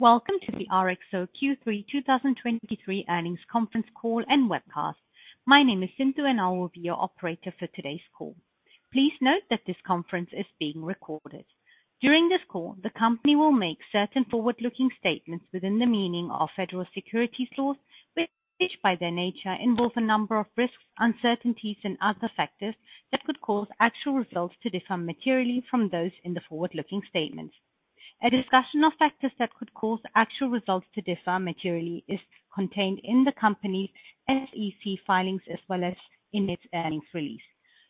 Welcome to the RXO Q3 2023 Earnings Conference Call and Webcast. My name is Cynthia, and I will be your operator for today's call. Please note that this conference is being recorded. During this call, the company will make certain forward-looking statements within the meaning of federal securities laws, which by their nature involve a number of risks, uncertainties, and other factors that could cause actual results to differ materially from those in the forward-looking statements. A discussion of factors that could cause actual results to differ materially is contained in the company's SEC filings as well as in its earnings release.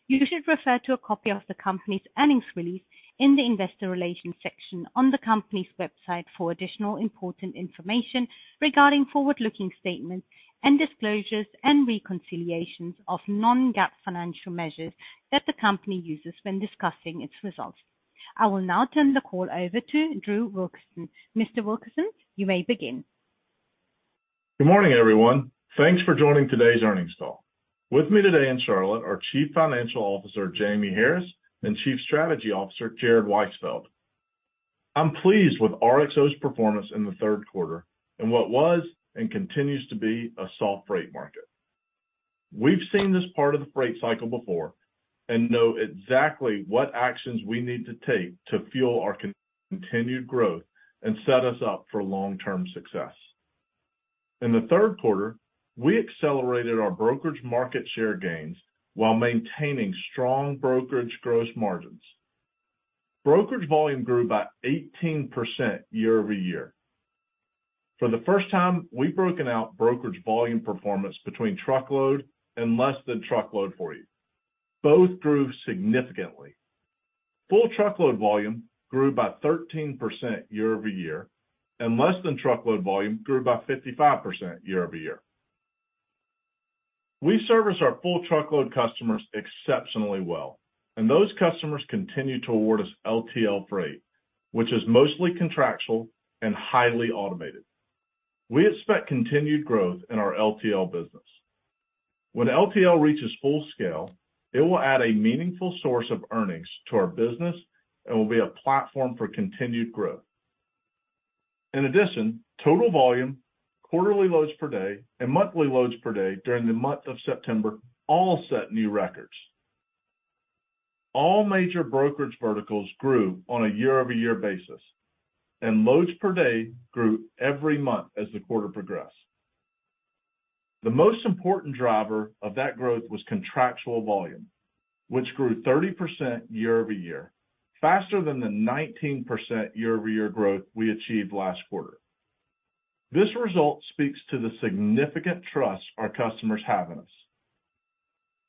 You should refer to a copy of the company's earnings release in the investor relations section on the company's website for additional important information regarding forward-looking statements and disclosures and reconciliations of non-GAAP financial measures that the company uses when discussing its results. I will now turn the call over to Drew Wilkerson. Mr. Wilkerson, you may begin. Good morning, everyone. Thanks for joining today's earnings call. With me today in Charlotte are Chief Financial Officer Jamie Harris and Chief Strategy Officer Jared Weisfeld. I'm pleased with RXO's performance in the third quarter, in what was and continues to be a soft freight market. We've seen this part of the freight cycle before and know exactly what actions we need to take to fuel our continued growth and set us up for long-term success. In the third quarter, we accelerated our brokerage market share gains while maintaining strong brokerage gross margins. Brokerage volume grew by 18% year-over-year. For the first time, we've broken out brokerage volume performance between truckload and less than truckload for you. Both grew significantly. Full truckload volume grew by 13% year-over-year, and less than truckload volume grew by 55% year-over-year. We service our full truckload customers exceptionally well, and those customers continue to award us LTL freight, which is mostly contractual and highly automated. We expect continued growth in our LTL business. When LTL reaches full scale, it will add a meaningful source of earnings to our business and will be a platform for continued growth. In addition, total volume, quarterly loads per day, and monthly loads per day during the month of September, all set new records. All major brokerage verticals grew on a year-over-year basis, and loads per day grew every month as the quarter progressed. The most important driver of that growth was contractual volume, which grew 30% year-over-year, faster than the 19% year-over-year growth we achieved last quarter. This result speaks to the significant trust our customers have in us.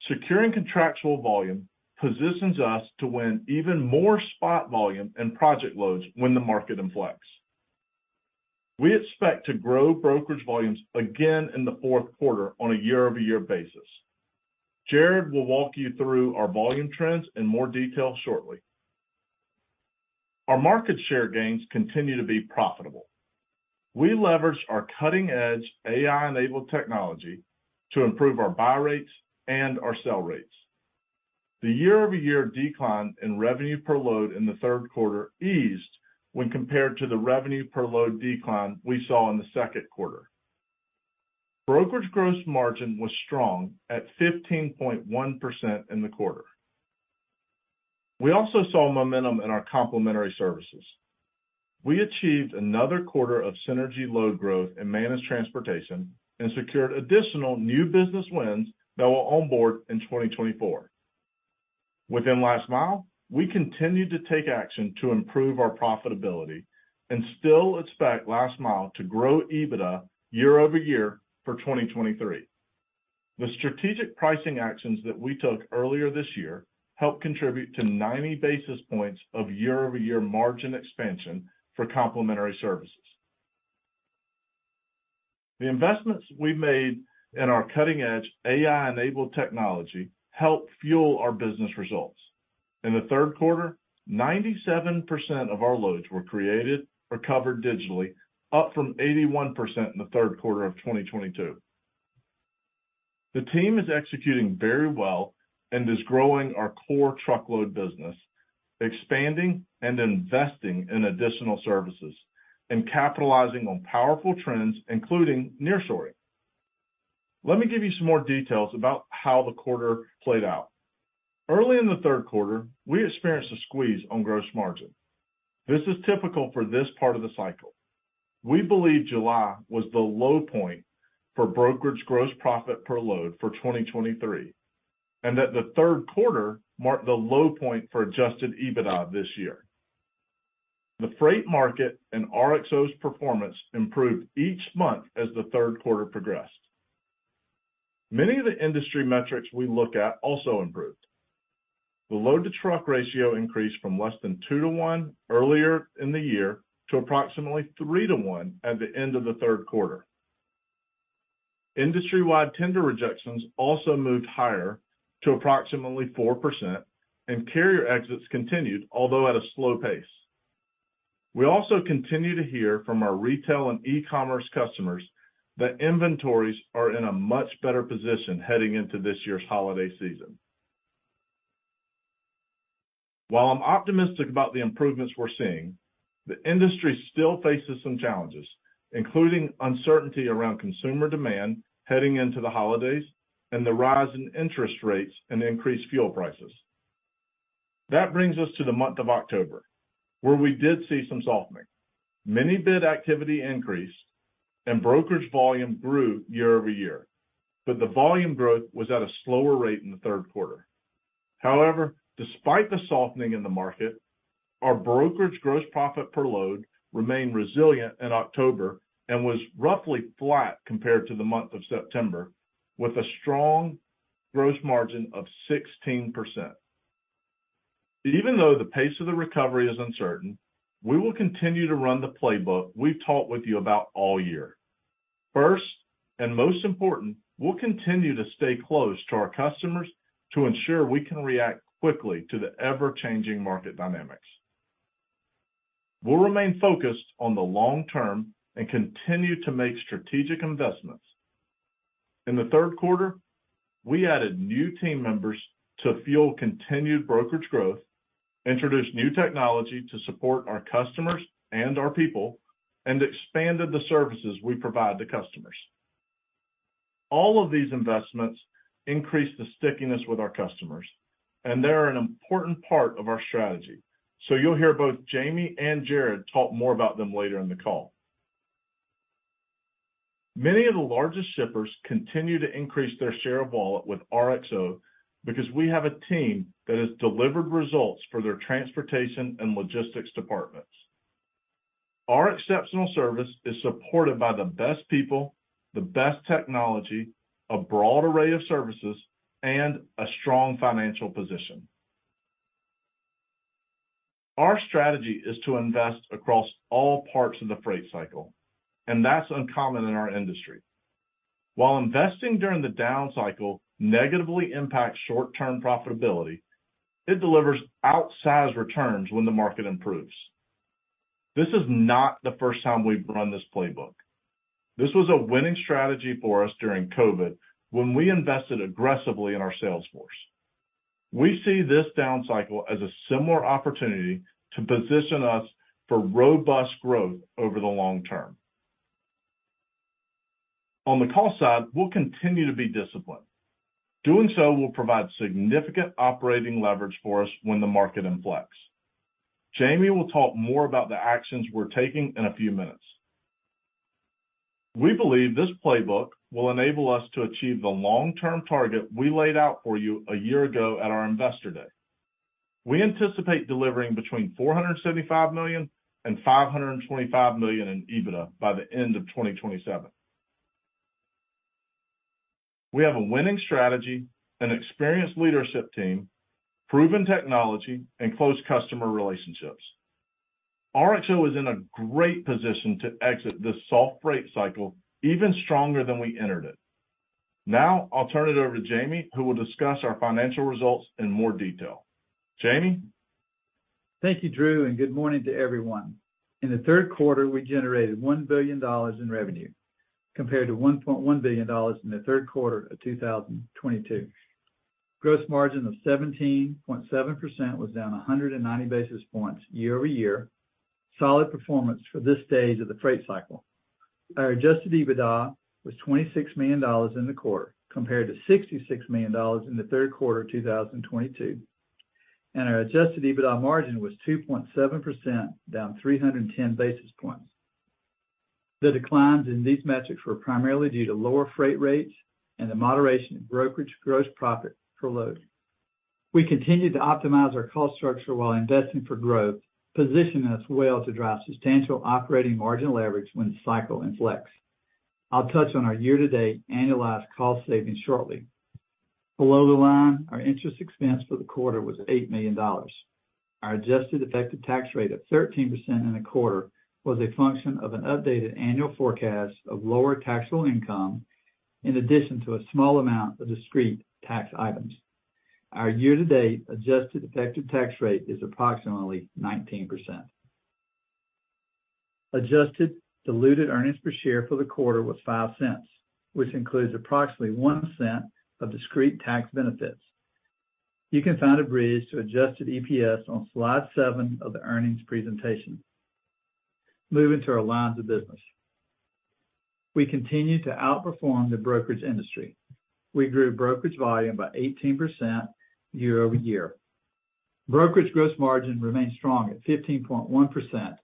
Securing contractual volume positions us to win even more spot volume and project loads when the market inflects. We expect to grow brokerage volumes again in the fourth quarter on a year-over-year basis. Jared will walk you through our volume trends in more detail shortly. Our market share gains continue to be profitable. We leverage our cutting-edge AI-enabled technology to improve our buy rates and our sell rates. The year-over-year decline in revenue per load in the third quarter eased when compared to the revenue per load decline we saw in the second quarter. Brokerage gross margin was strong at 15.1% in the quarter. We also saw momentum in our Complementary Services. We achieved another quarter of synergy load growth in Managed Transportation and secured additional new business wins that were onboard in 2024. Within Last Mile, we continued to take action to improve our profitability and still expect Last Mile to grow EBITDA year over year for 2023. The strategic pricing actions that we took earlier this year helped contribute to 90 basis points of year-over-year margin expansion for Complementary Services. The investments we made in our cutting-edge AI-enabled technology helped fuel our business results. In the third quarter, 97% of our loads were created or covered digitally, up from 81% in the third quarter of 2022. The team is executing very well and is growing our core truckload business, expanding and investing in additional services, and capitalizing on powerful trends, including nearshoring. Let me give you some more details about how the quarter played out. Early in the third quarter, we experienced a squeeze on gross margin. This is typical for this part of the cycle. We believe July was the low point for brokerage gross profit per load for 2023, and that the third quarter marked the low point for Adjusted EBITDA this year. The freight market and RXO's performance improved each month as the third quarter progressed. Many of the industry metrics we look at also improved. The load-to-truck ratio increased from less than 2-to-1 earlier in the year to approximately 3-to-1 at the end of the third quarter. Industry-wide tender rejections also moved higher to approximately 4%, and carrier exits continued, although at a slow pace. We also continue to hear from our retail and e-commerce customers that inventories are in a much better position heading into this year's holiday season While I'm optimistic about the improvements we're seeing, the industry still faces some challenges, including uncertainty around consumer demand heading into the holidays, and the rise in interest rates and increased fuel prices. That brings us to the month of October, where we did see some softening. Mini bid activity increased, and brokerage volume grew year-over-year, but the volume growth was at a slower rate in the third quarter. However, despite the softening in the market, our brokerage gross profit per load remained resilient in October and was roughly flat compared to the month of September, with a strong gross margin of 16%. Even though the pace of the recovery is uncertain, we will continue to run the playbook we've talked with you about all year. First, and most important, we'll continue to stay close to our customers to ensure we can react quickly to the ever-changing market dynamics. We'll remain focused on the long term and continue to make strategic investments. In the third quarter, we added new team members to fuel continued brokerage growth, introduced new technology to support our customers and our people, and expanded the services we provide to customers. All of these investments increase the stickiness with our customers, and they are an important part of our strategy. So you'll hear both Jamie and Jared talk more about them later in the call. Many of the largest shippers continue to increase their share of wallet with RXO because we have a team that has delivered results for their transportation and logistics departments. Our exceptional service is supported by the best people, the best technology, a broad array of services, and a strong financial position. Our strategy is to invest across all parts of the freight cycle, and that's uncommon in our industry. While investing during the down cycle negatively impacts short-term profitability, it delivers outsized returns when the market improves. This is not the first time we've run this playbook. This was a winning strategy for us during COVID, when we invested aggressively in our sales force. We see this down cycle as a similar opportunity to position us for robust growth over the long term. On the cost side, we'll continue to be disciplined. Doing so will provide significant operating leverage for us when the market inflects. Jamie will talk more about the actions we're taking in a few minutes. We believe this playbook will enable us to achieve the long-term target we laid out for you a year ago at our Investor Day. We anticipate delivering between $475 million and $525 million in EBITDA by the end of 2027. We have a winning strategy, an experienced leadership team, proven technology, and close customer relationships. RXO is in a great position to exit this soft freight cycle even stronger than we entered it. Now, I'll turn it over to Jamie, who will discuss our financial results in more detail. Jamie? Thank you, Drew, and good morning to everyone. In the third quarter, we generated $1 billion in revenue, compared to $1.1 billion in the third quarter of 2022. Gross margin of 17.7% was down 190 basis points year-over-year. Solid performance for this stage of the freight cycle. Our Adjusted EBITDA was $26 million in the quarter, compared to $66 million in the third quarter of 2022, and our Adjusted EBITDA margin was 2.7%, down 310 basis points. The declines in these metrics were primarily due to lower freight rates and the moderation in brokerage gross profit per load. We continued to optimize our cost structure while investing for growth, positioning us well to drive substantial operating margin leverage when the cycle inflects. I'll touch on our year-to-date annualized cost savings shortly. Below the line, our interest expense for the quarter was $8 million. Our adjusted effective tax rate of 13% in the quarter was a function of an updated annual forecast of lower taxable income, in addition to a small amount of discrete tax items. Our year-to-date adjusted effective tax rate is approximately 19%. Adjusted diluted earnings per share for the quarter was $0.05, which includes approximately $0.01 of discrete tax benefits. You can find a bridge to Adjusted EPS on slide 7 of the earnings presentation. Moving to our lines of business. We continue to outperform the brokerage industry. We grew brokerage volume by 18% year-over-year. Brokerage gross margin remains strong at 15.1%,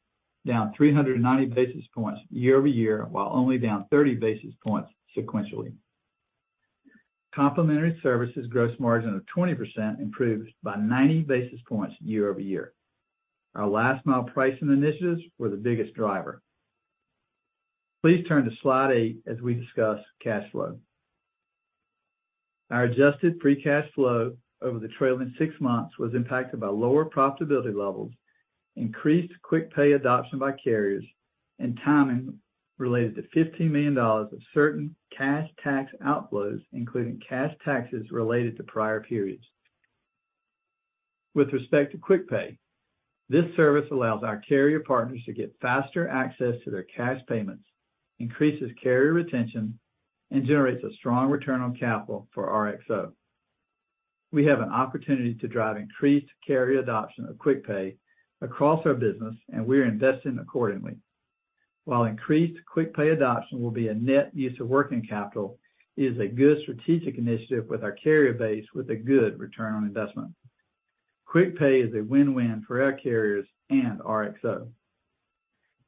down 390 basis points year-over-year, while only down 30 basis points sequentially. Complementary Services gross margin of 20% improved by 90 basis points year-over-year. Our last-mile pricing initiatives were the biggest driver. Please turn to slide eight as we discuss cash flow. Our adjusted free cash flow over the trailing 6 months was impacted by lower profitability levels, increased Quick Pay adoption by carriers, and timing related to $15 million of certain cash tax outflows, including cash taxes related to prior periods. With respect to Quick Pay. This service allows our carrier partners to get faster access to their cash payments, increases carrier retention, and generates a strong return on capital for RXO. We have an opportunity to drive increased carrier adoption of Quick Pay across our business, and we are investing accordingly. While increased Quick Pay adoption will be a net use of working capital, it is a good strategic initiative with our carrier base with a good return on investment. Quick Pay is a win-win for our carriers and RXO.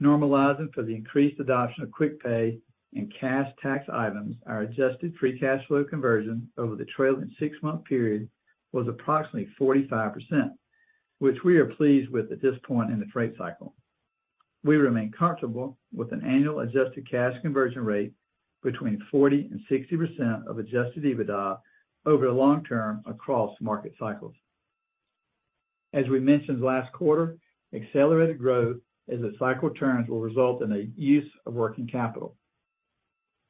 Normalizing for the increased adoption of Quick Pay and cash tax items, our adjusted free cash flow conversion over the trailing six-month period was approximately 45%, which we are pleased with at this point in the trade cycle. We remain comfortable with an annual adjusted cash conversion rate between 40% and 60% of Adjusted EBITDA over the long term across market cycles. As we mentioned last quarter, accelerated growth as the cycle turns will result in a use of working capital.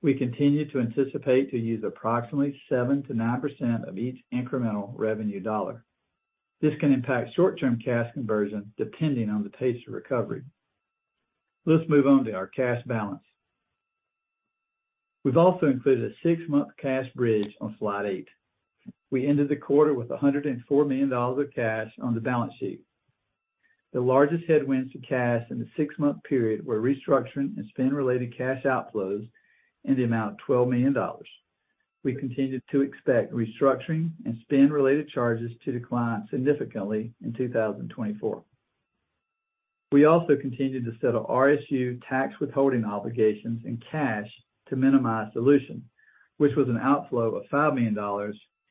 We continue to anticipate to use approximately 7%-9% of each incremental revenue dollar. This can impact short-term cash conversion, depending on the pace of recovery. Let's move on to our cash balance. We've also included a six-month cash bridge on slide 8. We ended the quarter with $104 million of cash on the balance sheet. The largest headwinds to cash in the six-month period were restructuring and spend-related cash outflows in the amount of $12 million. We continue to expect restructuring and spend-related charges to decline significantly in 2024. We also continued to settle RSU tax withholding obligations in cash to minimize dilution, which was an outflow of $5 million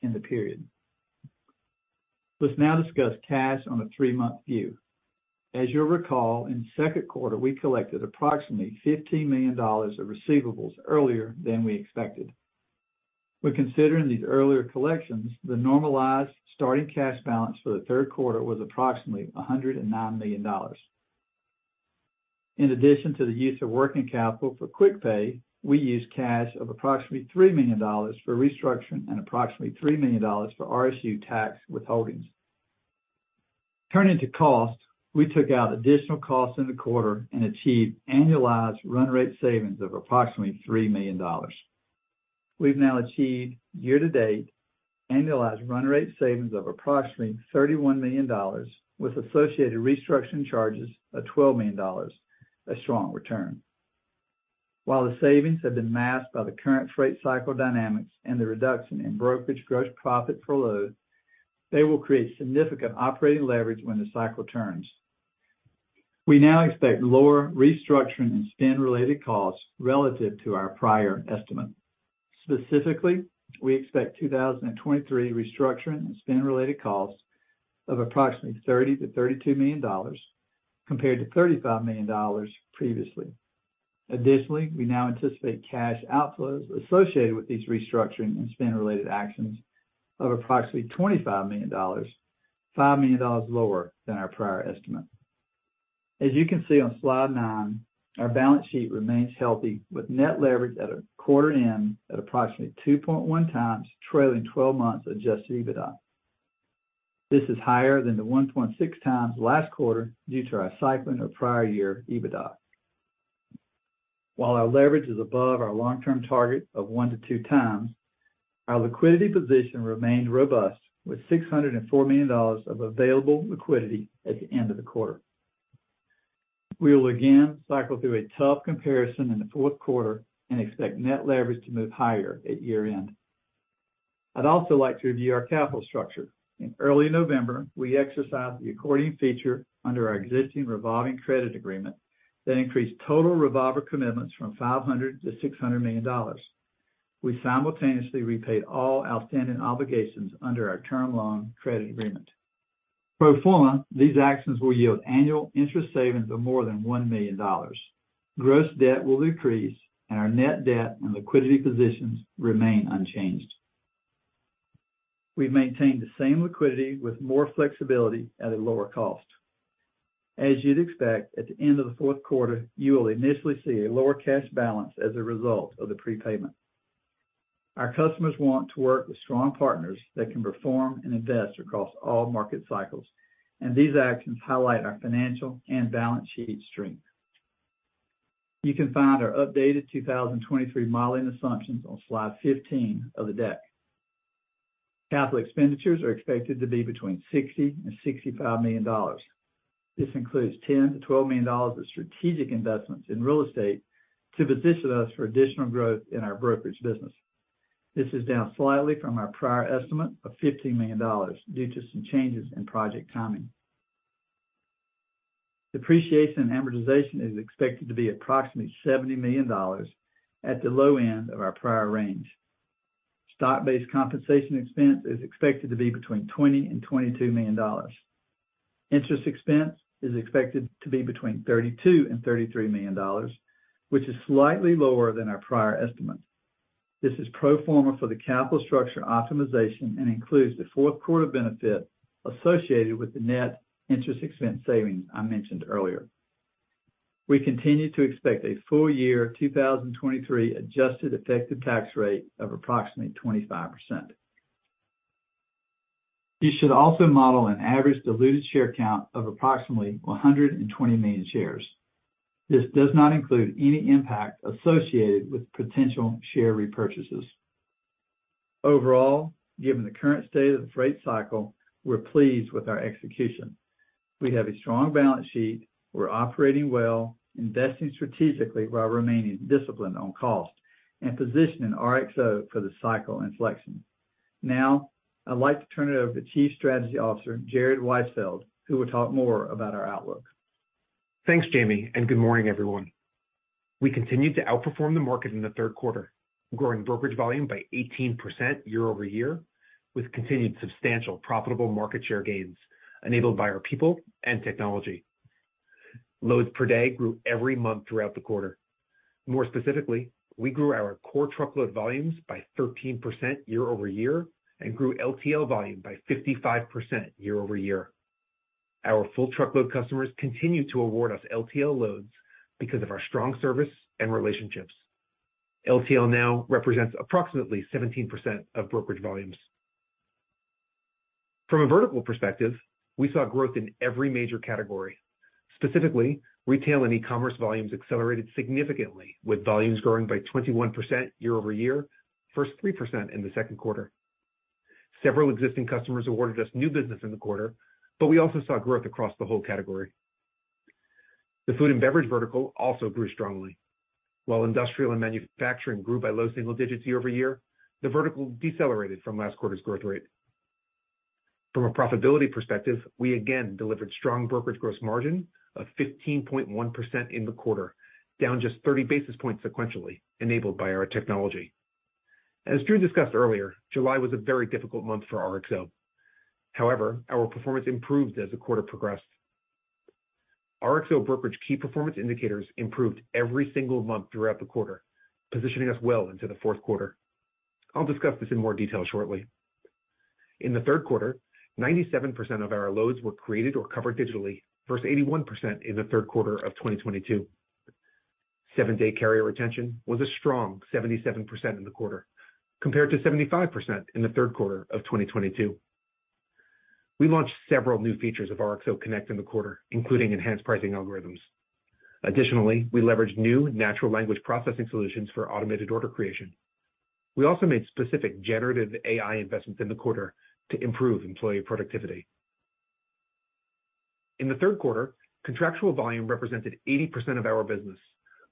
in the period. Let's now discuss cash on a three-month view. As you'll recall, in the second quarter, we collected approximately $15 million of receivables earlier than we expected. When considering these earlier collections, the normalized starting cash balance for the third quarter was approximately $109 million. In addition to the use of working capital for Quick Pay, we used cash of approximately $3 million for restructuring and approximately $3 million for RSU tax withholdings. Turning to cost, we took out additional costs in the quarter and achieved annualized run rate savings of approximately $3 million. We've now achieved year-to-date annualized run rate savings of approximately $31 million, with associated restructuring charges of $12 million, a strong return. While the savings have been masked by the current freight cycle dynamics and the reduction in brokerage gross profit per load, they will create significant operating leverage when the cycle turns. We now expect lower restructuring and spend-related costs relative to our prior estimate. Specifically, we expect 2023 restructuring and spend-related costs of approximately $30-$32 million, compared to $35 million previously. Additionally, we now anticipate cash outflows associated with these restructuring and spend-related actions of approximately $25 million, $5 million lower than our prior estimate. As you can see on slide nine, our balance sheet remains healthy, with net leverage at a quarter end at approximately 2.1 times trailing twelve months Adjusted EBITDA. This is higher than the 1.6 times last quarter due to our cycling of prior year EBITDA. While our leverage is above our long-term target of 1-2 times, our liquidity position remains robust, with $604 million of available liquidity at the end of the quarter. We will again cycle through a tough comparison in the fourth quarter and expect net leverage to move higher at year-end. I'd also like to review our capital structure. In early November, we exercised the accordion feature under our existing revolving credit agreement that increased total revolver commitments from $500 million to $600 million. We simultaneously repaid all outstanding obligations under our term loan credit agreement. Pro forma, these actions will yield annual interest savings of more than $1 million. Gross debt will decrease, and our net debt and liquidity positions remain unchanged. We've maintained the same liquidity with more flexibility at a lower cost. As you'd expect, at the end of the fourth quarter, you will initially see a lower cash balance as a result of the prepayment. Our customers want to work with strong partners that can perform and invest across all market cycles, and these actions highlight our financial and balance sheet strength. You can find our updated 2023 modeling assumptions on slide 15 of the deck. Capital expenditures are expected to be between $60 million and $65 million. This includes $10 million-$12 million of strategic investments in real estate to position us for additional growth in our brokerage business. This is down slightly from our prior estimate of $15 million due to some changes in project timing. Depreciation and amortization is expected to be approximately $70 million, at the low end of our prior range. Stock-based compensation expense is expected to be between $20 million and $22 million. Interest expense is expected to be between $32 million and $33 million, which is slightly lower than our prior estimate. This is pro forma for the capital structure optimization and includes the fourth quarter benefit associated with the net interest expense savings I mentioned earlier. We continue to expect a full year 2023 adjusted effective tax rate of approximately 25%. You should also model an average diluted share count of approximately 120 million shares. This does not include any impact associated with potential share repurchases. Overall, given the current state of the freight cycle, we're pleased with our execution. We have a strong balance sheet. We're operating well, investing strategically, while remaining disciplined on cost and positioning RXO for the cycle inflection. Now, I'd like to turn it over to Chief Strategy Officer, Jared Weisfeld, who will talk more about our outlook. Thanks, Jamie, and good morning, everyone. We continued to outperform the market in the third quarter, growing brokerage volume by 18% year-over-year, with continued substantial profitable market share gains, enabled by our people and technology. Loads per day grew every month throughout the quarter. More specifically, we grew our core truckload volumes by 13% year-over-year and grew LTL volume by 55% year-over-year. Our full truckload customers continue to award us LTL loads because of our strong service and relationships. LTL now represents approximately 17% of brokerage volumes. From a vertical perspective, we saw growth in every major category. Specifically, retail and e-commerce volumes accelerated significantly, with volumes growing by 21% year-over-year, versus 3% in the second quarter. Several existing customers awarded us new business in the quarter, but we also saw growth across the whole category. The food and beverage vertical also grew strongly. While industrial and manufacturing grew by low single digits year-over-year, the vertical decelerated from last quarter's growth rate. From a profitability perspective, we again delivered strong brokerage gross margin of 15.1% in the quarter, down just 30 basis points sequentially, enabled by our technology. As Drew discussed earlier, July was a very difficult month for RXO. However, our performance improved as the quarter progressed. RXO brokerage key performance indicators improved every single month throughout the quarter, positioning us well into the fourth quarter. I'll discuss this in more detail shortly. In the third quarter, 97% of our loads were created or covered digitally, versus 81% in the third quarter of 2022. Seven-day carrier retention was a strong 77% in the quarter, compared to 75% in the third quarter of 2022. We launched several new features of RXO Connect in the quarter, including enhanced pricing algorithms. Additionally, we leveraged new natural language processing solutions for automated order creation. We also made specific generative AI investments in the quarter to improve employee productivity. In the third quarter, contractual volume represented 80% of our business,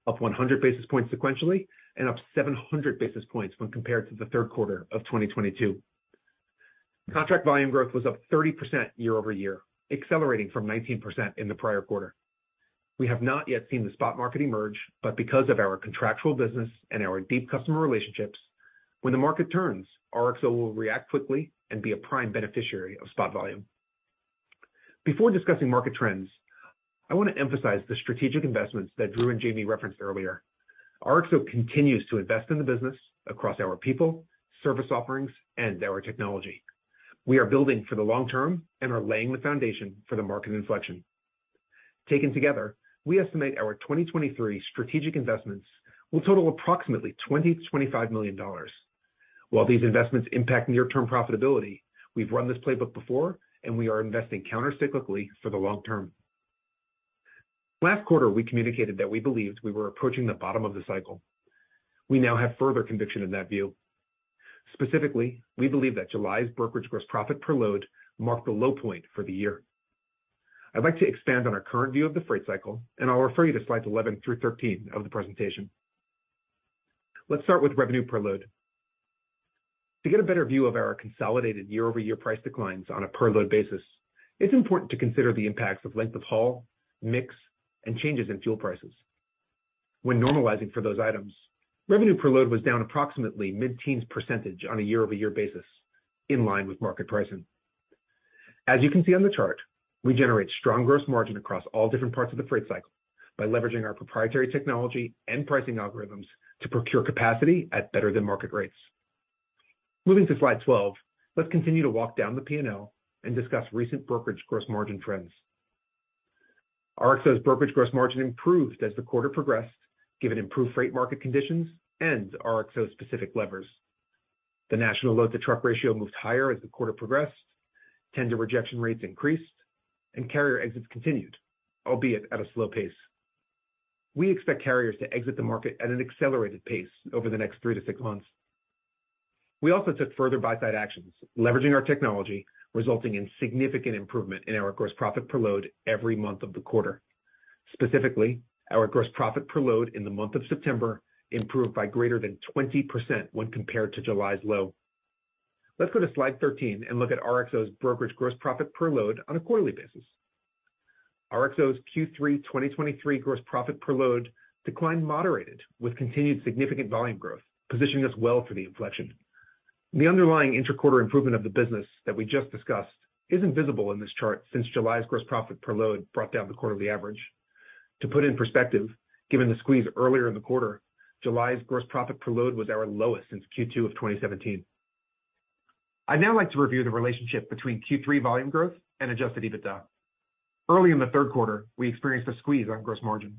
up 100 basis points sequentially and up 700 basis points when compared to the third quarter of 2022. Contract volume growth was up 30% year-over-year, accelerating from 19% in the prior quarter. We have not yet seen the spot market emerge, but because of our contractual business and our deep customer relationships, when the market turns, RXO will react quickly and be a prime beneficiary of spot volume. Before discussing market trends, I want to emphasize the strategic investments that Drew and Jamie referenced earlier. RXO continues to invest in the business across our people, service offerings, and our technology. We are building for the long term and are laying the foundation for the market inflection. Taken together, we estimate our 2023 strategic investments will total approximately $20-$25 million. While these investments impact near-term profitability, we've run this playbook before, and we are investing countercyclically for the long term. Last quarter, we communicated that we believed we were approaching the bottom of the cycle. We now have further conviction in that view. Specifically, we believe that July's brokerage gross profit per load marked the low point for the year. I'd like to expand on our current view of the freight cycle, and I'll refer you to slides 11 through 13 of the presentation. Let's start with revenue per load. To get a better view of our consolidated year-over-year price declines on a per load basis, it's important to consider the impacts of length of haul, mix, and changes in fuel prices. When normalizing for those items, revenue per load was down approximately mid-teens % on a year-over-year basis, in line with market pricing. As you can see on the chart, we generate strong gross margin across all different parts of the freight cycle by leveraging our proprietary technology and pricing algorithms to procure capacity at better-than-market rates. Moving to slide 12, let's continue to walk down the P&L and discuss recent brokerage gross margin trends. RXO's brokerage gross margin improved as the quarter progressed, given improved freight market conditions and RXO-specific levers. The national load-to-truck ratio moved higher as the quarter progressed, tender rejection rates increased, and carrier exits continued, albeit at a slow pace. We expect carriers to exit the market at an accelerated pace over the next 3-6 months. We also took further buy-side actions, leveraging our technology, resulting in significant improvement in our gross profit per load every month of the quarter. Specifically, our gross profit per load in the month of September improved by greater than 20% when compared to July's low. Let's go to slide 13 and look at RXO's brokerage gross profit per load on a quarterly basis. RXO's Q3 2023 gross profit per load decline moderated with continued significant volume growth, positioning us well for the inflection. The underlying inter-quarter improvement of the business that we just discussed isn't visible in this chart since July's gross profit per load brought down the quarterly average. To put in perspective, given the squeeze earlier in the quarter, July's gross profit per load was our lowest since Q2 of 2017. I'd now like to review the relationship between Q3 volume growth and adjusted EBITDA. Early in the third quarter, we experienced a squeeze on gross margin.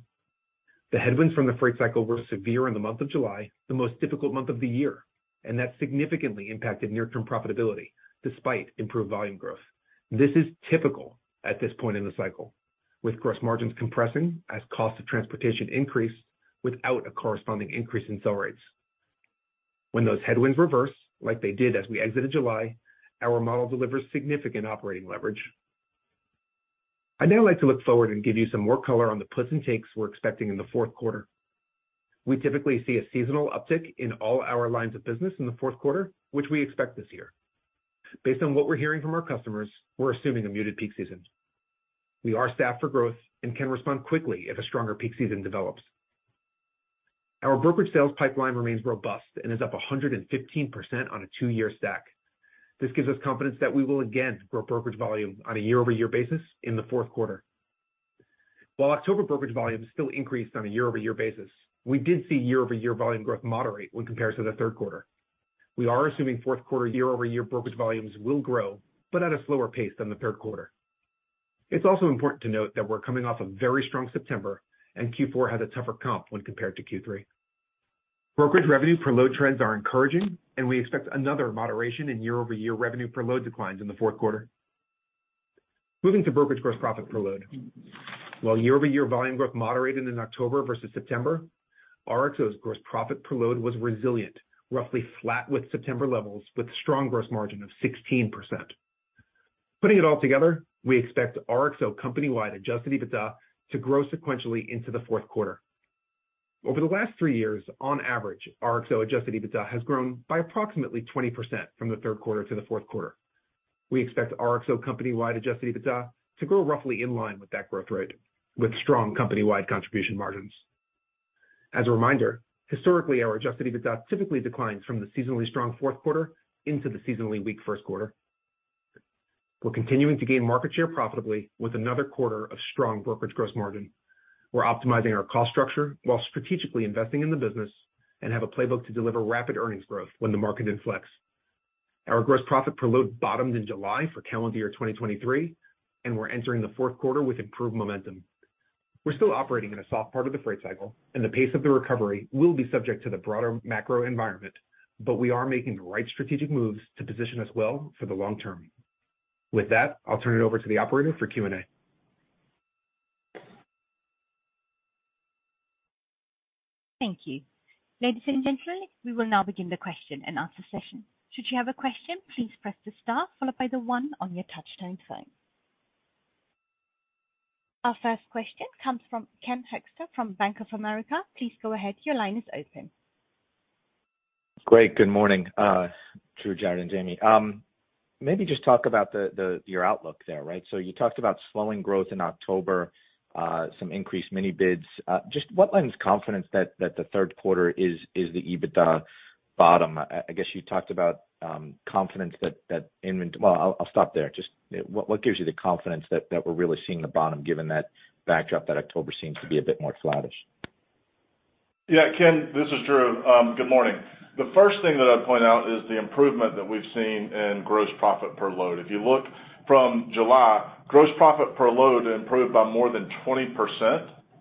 The headwinds from the freight cycle were severe in the month of July, the most difficult month of the year, and that significantly impacted near-term profitability despite improved volume growth. This is typical at this point in the cycle, with gross margins compressing as costs of transportation increase without a corresponding increase in sell rates. When those headwinds reverse, like they did as we exited July, our model delivers significant operating leverage. I'd now like to look forward and give you some more color on the puts and takes we're expecting in the fourth quarter. We typically see a seasonal uptick in all our lines of business in the fourth quarter, which we expect this year. Based on what we're hearing from our customers, we're assuming a muted peak season. We are staffed for growth and can respond quickly if a stronger peak season develops. Our brokerage sales pipeline remains robust and is up 115% on a two-year stack. This gives us confidence that we will again grow brokerage volume on a year-over-year basis in the fourth quarter. While October brokerage volume is still increased on a year-over-year basis, we did see year-over-year volume growth moderate when compared to the third quarter. We are assuming fourth quarter year-over-year brokerage volumes will grow, but at a slower pace than the third quarter. It's also important to note that we're coming off a very strong September, and Q4 has a tougher comp when compared to Q3. Brokerage revenue per load trends are encouraging, and we expect another moderation in year-over-year revenue per load declines in the fourth quarter. Moving to brokerage gross profit per load. While year-over-year volume growth moderated in October versus September, RXO's gross profit per load was resilient, roughly flat with September levels, with strong gross margin of 16%. Putting it all together, we expect RXO company-wide adjusted EBITDA to grow sequentially into the fourth quarter. Over the last three years, on average, RXO adjusted EBITDA has grown by approximately 20% from the third quarter to the fourth quarter. We expect RXO company-wide adjusted EBITDA to grow roughly in line with that growth rate, with strong company-wide contribution margins. As a reminder, historically, our Adjusted EBITDA typically declines from the seasonally strong fourth quarter into the seasonally weak first quarter. We're continuing to gain market share profitably with another quarter of strong brokerage gross margin. We're optimizing our cost structure while strategically investing in the business and have a playbook to deliver rapid earnings growth when the market inflects. Our gross profit per load bottomed in July for calendar year 2023, and we're entering the fourth quarter with improved momentum. We're still operating in a soft part of the freight cycle, and the pace of the recovery will be subject to the broader macro environment, but we are making the right strategic moves to position us well for the long term. With that, I'll turn it over to the operator for Q&A. Thank you. Ladies and gentlemen, we will now begin the question-and-answer session. Should you have a question, please press the star followed by the one on your touchtone phone. Our first question comes from Ken Hoexter from Bank of America. Please go ahead. Your line is open. Great, good morning, Drew, Jared, and Jamie. Maybe just talk about your outlook there, right? So you talked about slowing growth in October, some increased mini bids. Just what lends confidence that the third quarter is the EBITDA bottom? I guess you talked about confidence that invent, well, I'll stop there. Just what gives you the confidence that we're really seeing the bottom, given that backdrop that October seems to be a bit more flattish? Yeah, Ken, this is Drew. Good morning. The first thing that I'd point out is the improvement that we've seen in gross profit per load. If you look from July, gross profit per load improved by more than 20%,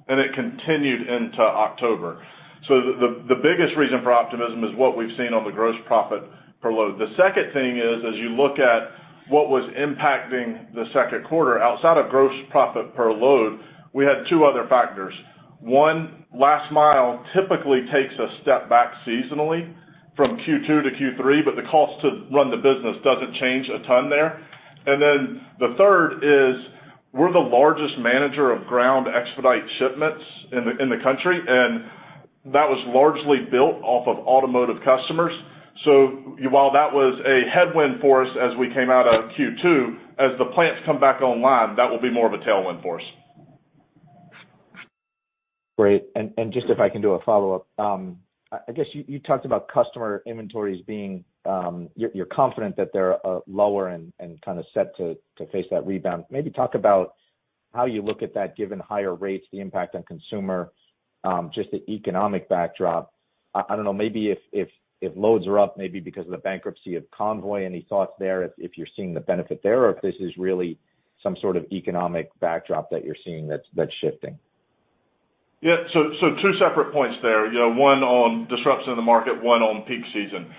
and it continued into October. So the biggest reason for optimism is what we've seen on the gross profit per load. The second thing is, as you look at what was impacting the second quarter outside of gross profit per load, we had two other factors. One, Last Mile typically takes a step back seasonally from Q2 to Q3, but the cost to run the business doesn't change a ton there. And then the third is, we're the largest manager of Ground Expedite shipments in the country, and that was largely built off of automotive customers. So while that was a headwind for us as we came out of Q2, as the plants come back online, that will be more of a tailwind for us. Great. And just if I can do a follow-up, I guess you talked about customer inventories being, you're confident that they're lower and kind of set to face that rebound. Maybe talk about how you look at that, given higher rates, the impact on consumer, just the economic backdrop. I don't know, maybe if loads are up, maybe because of the bankruptcy of Convoy, any thoughts there, if you're seeing the benefit there, or if this is really some sort of economic backdrop that you're seeing, that's shifting? Yeah, so two separate points there, one on disruption in the market, one on peak season.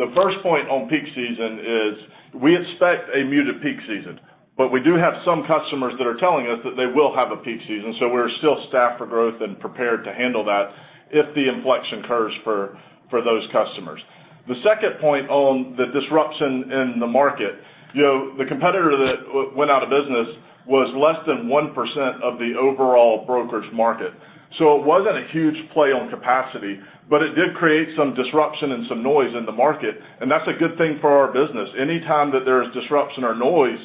The first point on peak season is we expect a muted peak season, but we do have some customers that are telling us that they will have a peak season, so we're still staffed for growth and prepared to handle that if the inflection occurs for those customers. The second point on the disruption in the market. You know, the competitor that went out of business was less than 1% of the overall brokerage market. So it wasn't a huge play on capacity, but it did create some disruption and some noise in the market, and that's a good thing for our business. Anytime that there is disruption or noise,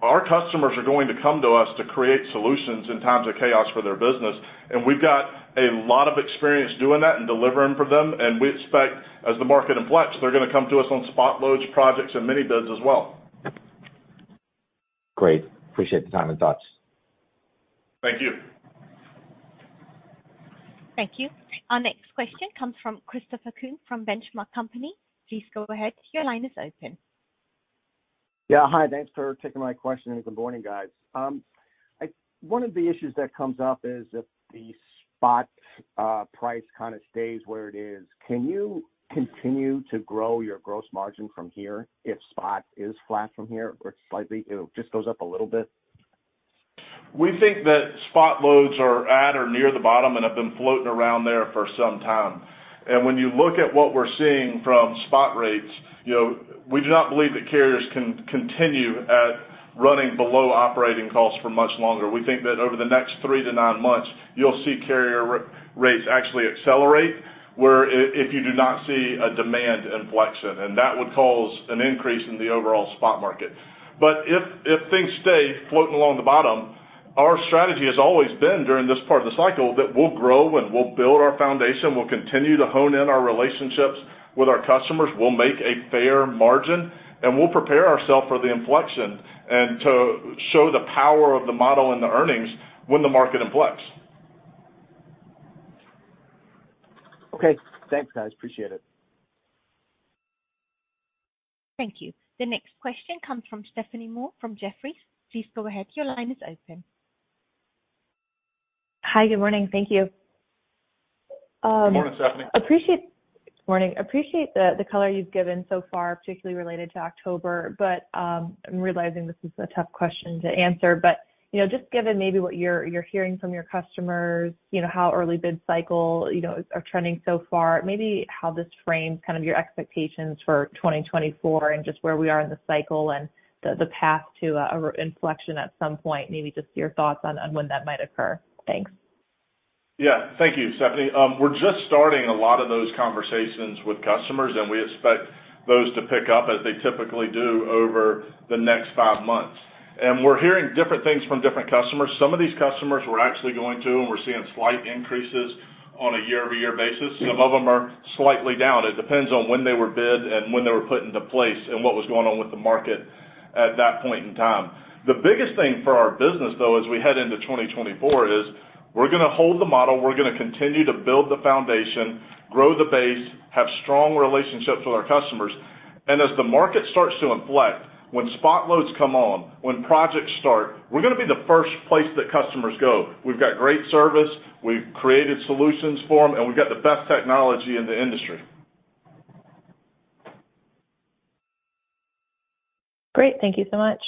our customers are going to come to us to create solutions in times of chaos for their business, and we've got a lot of experience doing that and delivering for them. We expect as the market inflects, they're going to come to us on spot loads, projects, and mini bids as well. Great. Appreciate the time and thoughts. Thank you. Thank you. Our next question comes from Christopher Kuhn from Benchmark Company. Please go ahead. Your line is open. Yeah, hi. Thanks for taking my question, and good morning, guys. One of the issues that comes up is if the spot price kind of stays where it is, can you continue to grow your gross margin from here if spot is flat from here or slightly, it just goes up a little bit? We think that spot loads are at or near the bottom and have been floating around there for some time. When you look at what we're seeing from spot rates, you know, we do not believe that carriers can continue at running below operating costs for much longer. We think that over the next 3-9 months, you'll see carrier rates actually accelerate, if you do not see a demand inflection, and that would cause an increase in the overall spot market. But if things stay floating along the bottom, our strategy has always been, during this part of the cycle, that we'll grow and we'll build our foundation, we'll continue to hone in our relationships with our customers. We'll make a fair margin, and we'll prepare ourselves for the inflection and to show the power of the model and the earnings when the market influx. Okay. Thanks, guys. Appreciate it. Thank you. The next question comes from Stephanie Moore from Jefferies. Please go ahead, your line is open. Hi, good morning. Thank you. Good morning, Stephanie. Good morning. Appreciate the color you've given so far, particularly related to October. But, I'm realizing this is a tough question to answer, but, you know, just given maybe what you're hearing from your customers, you know, how early bid cycle are trending so far, maybe how this frames kind of your expectations for 2024 and just where we are in the cycle and the path to an inflection at some point, maybe just your thoughts on when that might occur. Thanks. Yeah. Thank you, Stephanie. We're just starting a lot of those conversations with customers, and we expect those to pick up as they typically do over the next five months. We're hearing different things from different customers. Some of these customers, we're actually going to, and we're seeing slight increases on a year-over-year basis. Some of them are slightly down. It depends on when they were bid and when they were put into place and what was going on with the market at that point in time. The biggest thing for our business, though, as we head into 2024, is we're going to hold the model. We're going to continue to build the foundation, grow the base, have strong relationships with our customers. As the market starts to inflect, when spot loads come on, when projects start, we're going to be the first place that customers go. We've got great service, we've created solutions for them, and we've got the best technology in the industry. Great. Thank you so much.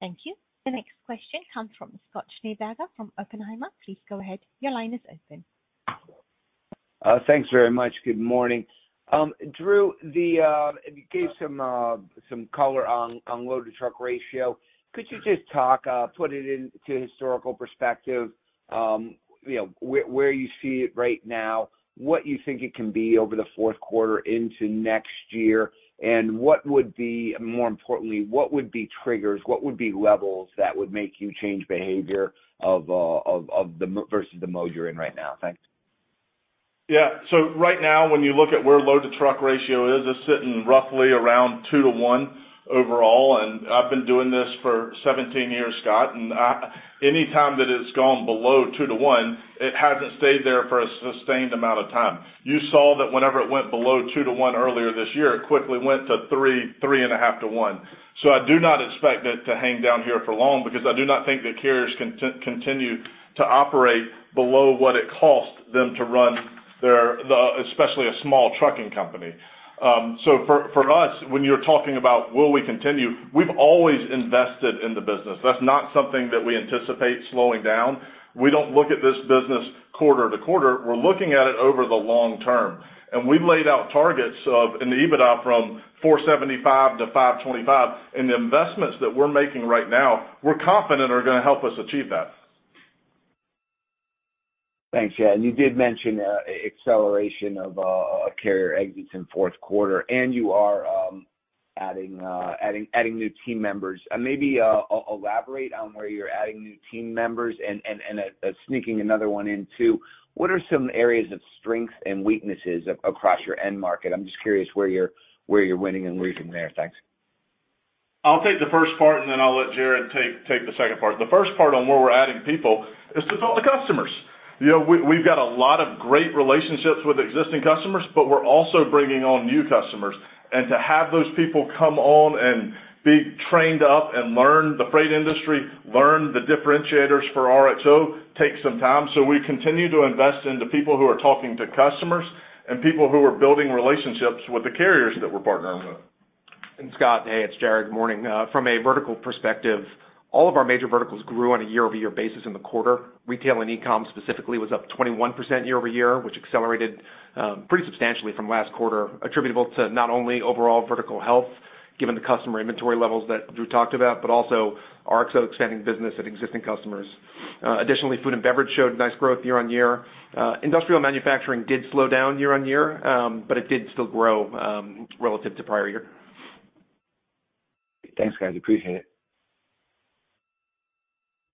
Thank you. The next question comes from Scott Schneeberger from Oppenheimer. Please go ahead. Your line is open. Thanks very much. Good morning. Drew, you gave some color on load-to-truck ratio. Could you just talk, put it into historical perspective, you know, where you see it right now, what you think it can be over the fourth quarter into next year, and what would be, more importantly, what would be triggers? What would be levels that would make you change behavior of the mode versus the mode you're in right now? Thanks. Yeah. So right now, when you look at where load-to-truck ratio is, it's sitting roughly around 2 to 1 overall, and I've been doing this for 17 years, Scott, and anytime that it's gone below 2 to 1, it hasn't stayed there for a sustained amount of time. You saw that whenever it went below 2 to 1 earlier this year, it quickly went to 3, 3.5 to 1. So I do not expect it to hang down here for long because I do not think that carriers can continue to operate below what it costs them to run their, especially a small trucking company. So for us, when you're talking about will we continue, we've always invested in the business. That's not something that we anticipate slowing down. We don't look at this business quarter to quarter. We're looking at it over the long term. We've laid out targets of $475-$525 in the EBITDA, and the investments that we're making right now, we're confident are going to help us achieve that. Thanks, yeah, and you did mention acceleration of carrier exits in fourth quarter, and you are adding new team members. Maybe elaborate on where you're adding new team members and sneaking another one in too. What are some areas of strength and weaknesses across your end market? I'm just curious where you're winning and losing there. Thanks. I'll take the first part, and then I'll let Jared take the second part. The first part on where we're adding people is to build the customers. You know, we, we've got a lot of great relationships with existing customers, but we're also bringing on new customers. And to have those people come on and be trained up and learn the freight industry, learn the differentiators for RXO, takes some time. So we continue to invest into people who are talking to customers and people who are building relationships with the carriers that we're partnering with. And Scott, hey, it's Jared. Good morning. From a vertical perspective, all of our major verticals grew on a year-over-year basis in the quarter. Retail and e-com specifically was up 21% year-over-year, which accelerated pretty substantially from last quarter, attributable to not only overall vertical health, given the customer inventory levels that Drew talked about, but also RXO expanding business at existing customers. Additionally, food and beverage showed nice growth year-over-year. Industrial manufacturing did slow down year-over-year, but it did still grow relative to prior year. Thanks, guys. Appreciate it.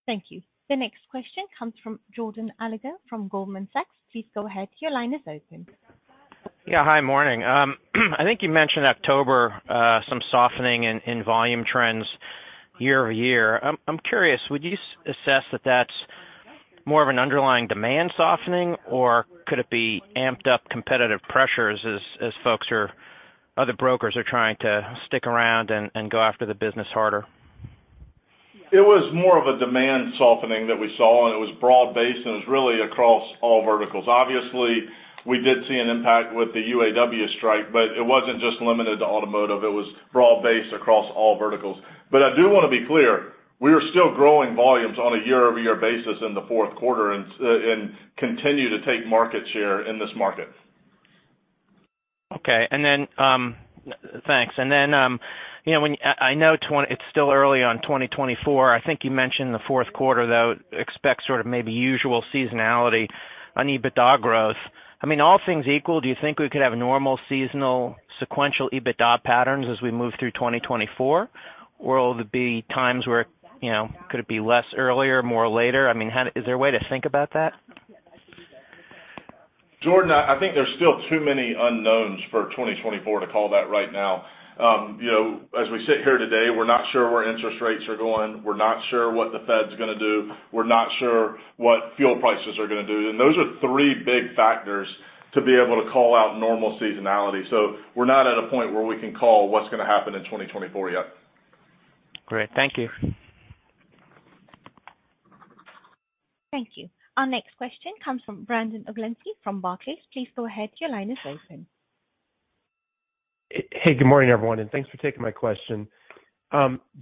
Thank you. The next question comes from Jordan Alliger from Goldman Sachs. Please go ahead, your line is open. Yeah, hi, morning. I think you mentioned October, some softening in volume trends year-over-year. I'm curious, would you assess that that's more of an underlying demand softening, or could it be amped up competitive pressures as folks or other brokers are trying to stick around and go after the business harder? It was more of a demand softening that we saw, and it was broad-based, and it was really across all verticals. Obviously, we did see an impact with the UAW strike, but it wasn't just limited to automotive. It was broad-based across all verticals. But I do want to be clear, we are still growing volumes on a year-over-year basis in the fourth quarter and continue to take market share in this market. Okay. And then, thanks. You know, I know it's still early in 2024. I think you mentioned in the fourth quarter, though, expect sort of maybe usual seasonality on EBITDA growth. I mean, all things equal, do you think we could have normal seasonal sequential EBITDA patterns as we move through 2024? Or will there be times where, you know, could it be less earlier, more later? I mean, is there a way to think about that? Jordan, I think there's still too many unknowns for 2024 to call that right now. You know, as we sit here today, we're not sure where interest rates are going. We're not sure what the Fed's going to do. We're not sure what fuel prices are going to do, and those are three big factors to be able to call out normal seasonality. So we're not at a point where we can call what's going to happen in 2024 yet. Great. Thank you. Thank you. Our next question comes from Brandon Oglenski from Barclays. Please go ahead. Your line is open. Hey, good morning, everyone, and thanks for taking my question.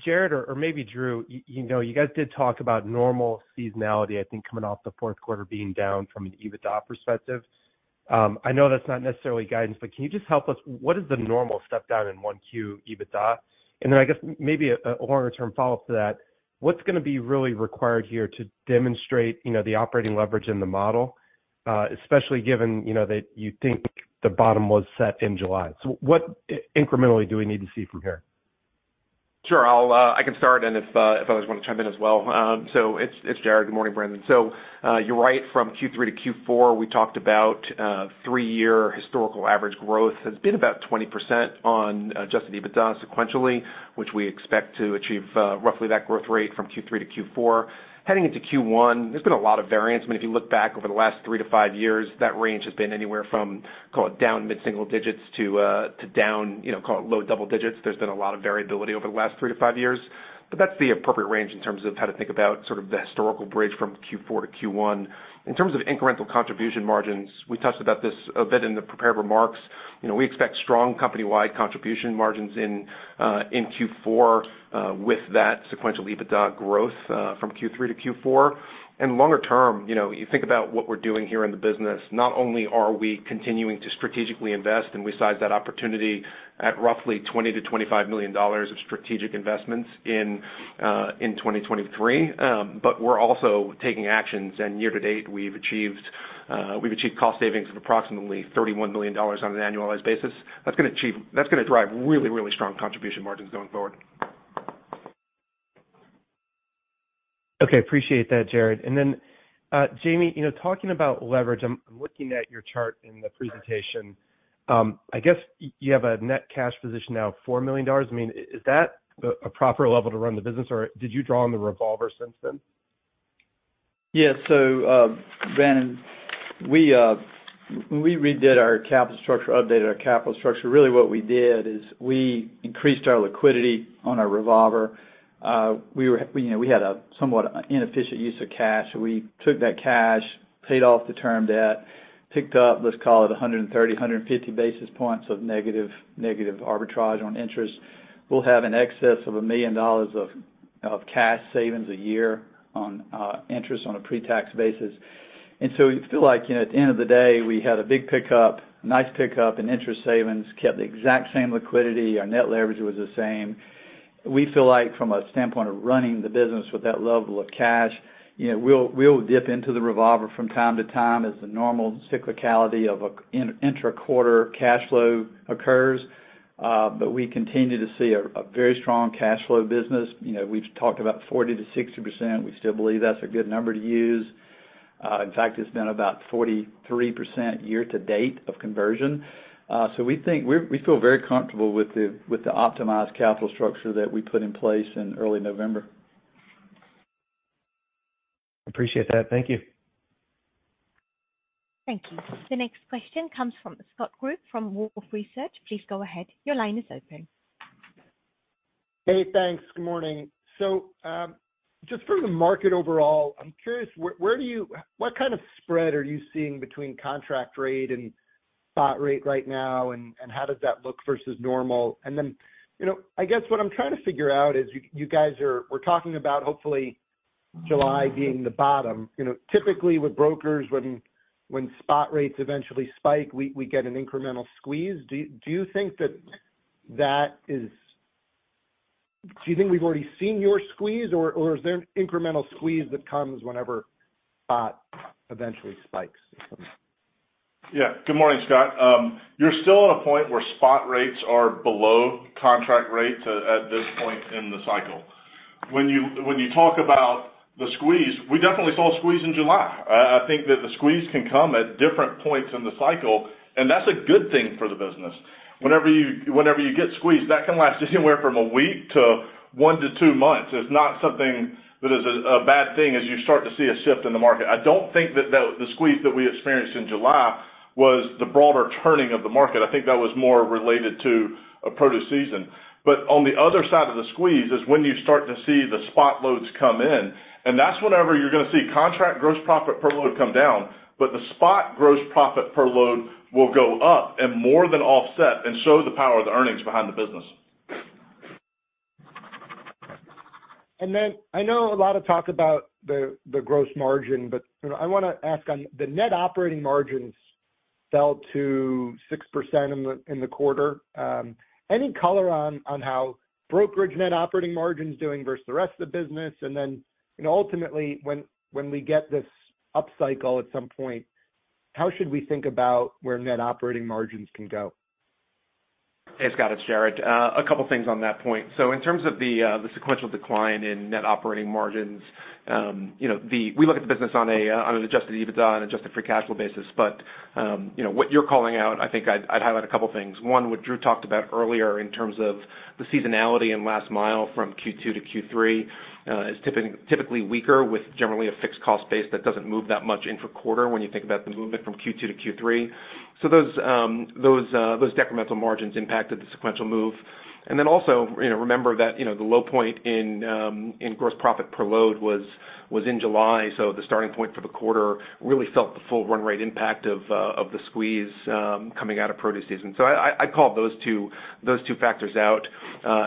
Jared or maybe Drew, you know, you guys did talk about normal seasonality, I think, coming off the fourth quarter being down from an EBITDA perspective. I know that's not necessarily guidance, but can you just help us, what is the normal step down in 1Q EBITDA? And then, I guess, maybe a longer-term follow-up to that: What's going to be really required here to demonstrate, you know, the operating leverage in the model, especially given, you know, that you think the bottom was set in July? So what incrementally do we need to see from here? Sure, I'll start, and if others want to chime in as well. So it's Jared. Good morning, Brandon. So, you're right, from Q3 to Q4, we talked about three-year historical average growth has been about 20% on Adjusted EBITDA sequentially, which we expect to achieve roughly that growth rate from Q3 to Q4. Heading into Q1, there's been a lot of variance. I mean, if you look back over the last three to five years, that range has been anywhere from, call it, down mid-single digits to down, you know, call it, low double digits. There's been a lot of variability over the last three to five years, but that's the appropriate range in terms of how to think about sort of the historical bridge from Q4 to Q1. In terms of incremental contribution margins, we touched about this a bit in the prepared remarks. You know, we expect strong company-wide contribution margins in Q4 with that sequential EBITDA growth from Q3 to Q4. And longer term, you know, you think about what we're doing here in the business, not only are we continuing to strategically invest, and we size that opportunity at roughly $20 million-$25 million of strategic investments in 2023, but we're also taking actions. And year to date, we've achieved cost savings of approximately $31 million on an annualized basis. That's going to drive really, really strong contribution margins going forward. Okay, appreciate that, Jared. And then, Jamie, you know, talking about leverage, I'm looking at your chart in the presentation. I guess you have a net cash position now of $4 million. I mean, is that a proper level to run the business, or did you draw on the revolver since then? Yeah, so, Brandon, we, when we redid our capital structure, updated our capital structure, really what we did is we increased our liquidity on our revolver. We were, you know, we had a somewhat inefficient use of cash. We took that cash, paid off the term debt, picked up, let's call it, 130-150 basis points of negative, negative arbitrage on interest. We'll have an excess of $1 million of, of cash savings a year on interest on a pre-tax basis. And so we feel like, you know, at the end of the day, we had a big pickup, nice pickup and interest savings, kept the exact same liquidity. Our net leverage was the same. We feel like from a standpoint of running the business with that level of cash, you know, we'll dip into the revolver from time to time as the normal cyclicality of intra-quarter cash flow occurs, but we continue to see a very strong cash flow business. You know, we've talked about 40%-60%. We still believe that's a good number to use. In fact, it's been about 43% year to date of conversion. So we think, we feel very comfortable with the optimized capital structure that we put in place in early November. Appreciate that. Thank you. Thank you. The next question comes from Scott Group, from Wolfe Research. Please go ahead. Your line is open. Hey, thanks. Good morning. So, just from the market overall, I'm curious, where, where do you what kind of spread are you seeing between contract rate and spot rate right now, and, and how does that look versus normal? And then, you know, I guess what I'm trying to figure out is, you, you guys are we're talking about hopefully July being the bottom. You know, typically, with brokers, when, when spot rates eventually spike, we, we get an incremental squeeze. Do, do you think that that is, do you think we've already seen your squeeze, or, or is there an incremental squeeze that comes whenever spot eventually spikes? Yeah. Good morning, Scott. You're still at a point where spot rates are below contract rates at, at this point in the cycle. When you, when you talk about the squeeze, we definitely saw a squeeze in July. I think that the squeeze can come at different points in the cycle, and that's a good thing for the business. Whenever you, whenever you get squeezed, that can last anywhere from a week to one to two months. It's not something that is a, a bad thing as you start to see a shift in the market. I don't think that the, the squeeze that we experienced in July was the broader turning of the market. I think that was more related to a produce season. But on the other side of the squeeze is when you start to see the spot loads come in, and that's whenever you're going to see contract gross profit per load come down, but the spot gross profit per load will go up and more than offset and show the power of the earnings behind the business. And then I know a lot of talk about the gross margin, but, you know, I want to ask on the net operating margins fell to 6% in the quarter. Any color on how brokerage net operating margin is doing versus the rest of the business? And then, you know, ultimately, when we get this upcycle at some point, how should we think about where net operating margins can go? Hey, Scott, it's Jared. A couple of things on that point. So in terms of the sequential decline in net operating margins, you know, we look at the business on an adjusted EBITDA, on an adjusted free cash flow basis. But, you know, what you're calling out, I think I'd, I'd highlight a couple of things. One, what Drew talked about earlier in terms of the seasonality in last mile from Q2 to Q3, is typically weaker, with generally a fixed cost base that doesn't move that much intra-quarter when you think about the movement from Q2 to Q3. So those, those, those decremental margins impacted the sequential move. And then also, you know, remember that, you know, the low point in gross profit per load was in July, so the starting point for the quarter really felt the full run rate impact of the squeeze coming out of produce season. So I call those two factors out,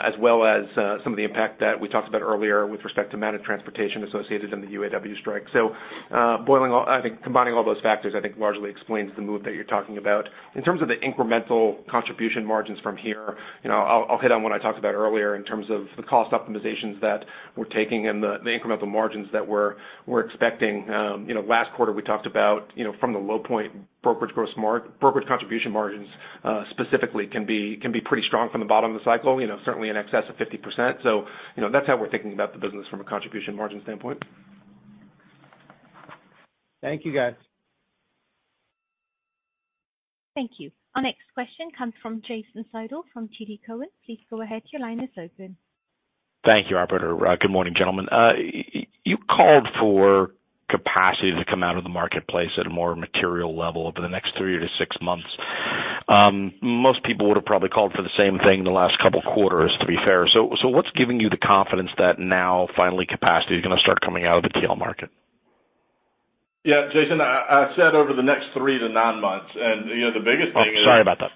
as well as some of the impact that we talked about earlier with respect to managed transportation associated in the UAW strike. So boiling all, I think combining all those factors, I think largely explains the move that you're talking about. In terms of the incremental contribution margins from here, you know, I'll hit on what I talked about earlier in terms of the cost optimizations that we're taking and the incremental margins that we're expecting. You know, last quarter, we talked about, you know, from the low point, brokerage contribution margins, specifically, can be pretty strong from the bottom of the cycle, you know, certainly in excess of 50%. So, you know, that's how we're thinking about the business from a contribution margin standpoint. Thank you, guys. Thank you. Our next question comes from Jason Seidl from TD Cowen. Please go ahead. Your line is open. Thank you, operator. Good morning, gentlemen. You called for capacity to come out of the marketplace at a more material level over the next 3-6 months. Most people would have probably called for the same thing in the last couple of quarters, to be fair. So, what's giving you the confidence that now, finally, capacity is going to start coming out of the TL market? Yeah, Jason, I, I said over the next 3-9 months, and, you know, the biggest thing is- Oh, sorry about that.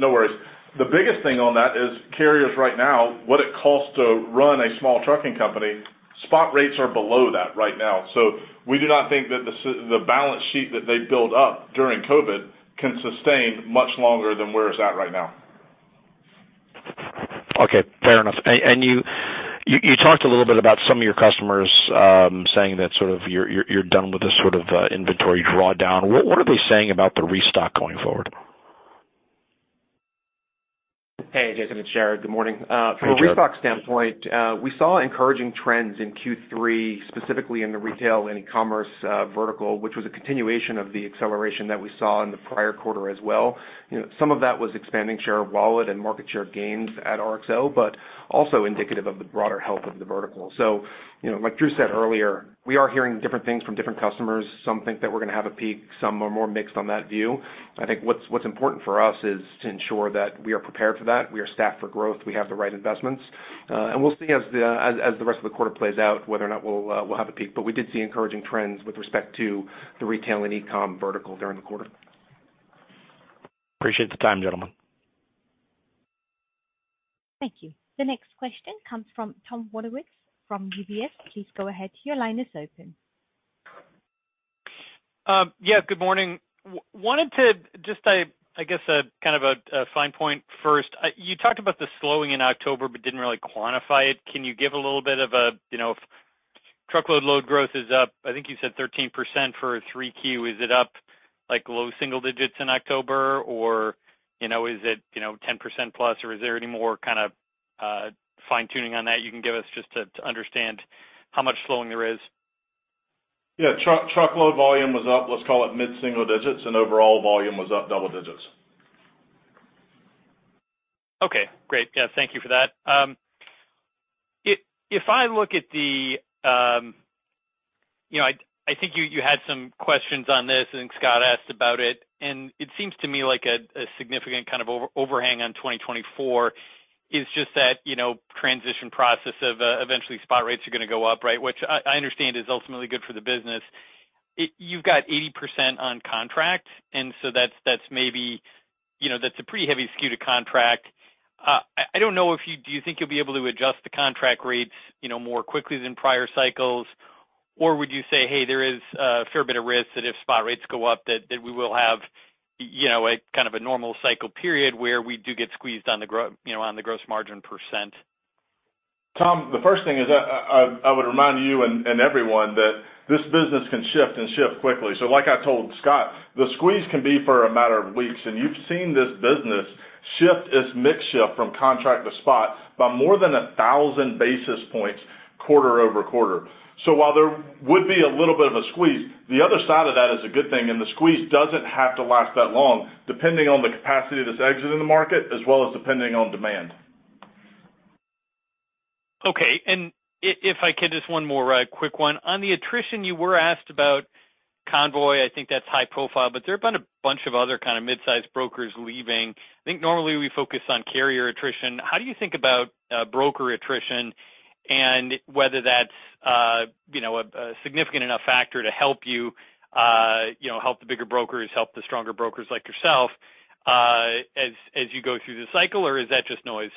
No worries. The biggest thing on that is carriers right now, what it costs to run a small trucking company, spot rates are below that right now. So we do not think that the balance sheet that they built up during COVID can sustain much longer than where it's at right now. Okay, fair enough. And you talked a little bit about some of your customers saying that sort of you're done with this sort of inventory drawdown. What are they saying about the restock going forward? Hey, Jason, it's Jared. Good morning. Hey, Jared. From a restock standpoint, we saw encouraging trends in Q3, specifically in the retail and e-commerce vertical, which was a continuation of the acceleration that we saw in the prior quarter as well. You know, some of that was expanding share of wallet and market share gains at RXO, but also indicative of the broader health of the vertical. So, you know, like Drew said earlier, we are hearing different things from different customers. Some think that we're going to have a peak, some are more mixed on that view. I think what's, what's important for us is to ensure that we are prepared for that, we are staffed for growth, we have the right investments, and we'll see as the, as, as the rest of the quarter plays out, whether or not we'll, we'll have a peak. But we did see encouraging trends with respect to the retail and e-com vertical during the quarter. Appreciate the time, gentlemen. Thank you. The next question comes from Tom Wadewitz, from UBS. Please go ahead. Your line is open. Yeah, good morning. Wanted to just, I guess, a kind of a, a fine point first. You talked about the slowing in October, but didn't really quantify it. Can you give a little bit of a, you know, truckload load growth is up, I think you said 13% for 3Q. Is it up, like, low single digits in October, or, you know, is it, you know, 10% plus, or is there any more kind of, fine-tuning on that you can give us just to, to understand how much slowing there is? Yeah. Truckload volume was up, let's call it mid-single digits, and overall volume was up double digits. Okay, great. Yeah, thank you for that. If, if I look at the, you know, I, I think you, you had some questions on this, and Scott asked about it, and it seems to me like a significant kind of overhang on 2024 is just that, you know, transition process of eventually spot rates are going to go up, right? Which I, I understand is ultimately good for the business. You've got 80% on contract, and so that's, that's maybe, you know, that's a pretty heavy skew to contract. I, I don't know if you do you think you'll be able to adjust the contract rates, you know, more quickly than prior cycles? Or would you say, "Hey, there is a fair bit of risk that if spot rates go up, that we will have, you know, a kind of a normal cycle period where we do get squeezed on the, you know, gross margin %? Tom, the first thing is that I would remind you and everyone that this business can shift and shift quickly. So like I told Scott, the squeeze can be for a matter of weeks, and you've seen this business shift. It's mix shift from contract to spot by more than 1,000 basis points quarter-over-quarter. So while there would be a little bit of a squeeze, the other side of that is a good thing, and the squeeze doesn't have to last that long, depending on the capacity that's exiting the market, as well as depending on demand. Okay. And if I could, just one more quick one. On the attrition, you were asked about convoy. I think that's high profile, but there have been a bunch of other kind of mid-sized brokers leaving. I think normally we focus on carrier attrition. How do you think about broker attrition and whether that's you know, a significant enough factor to help you help the bigger brokers, help the stronger brokers like yourself, as you go through the cycle, or is that just noise?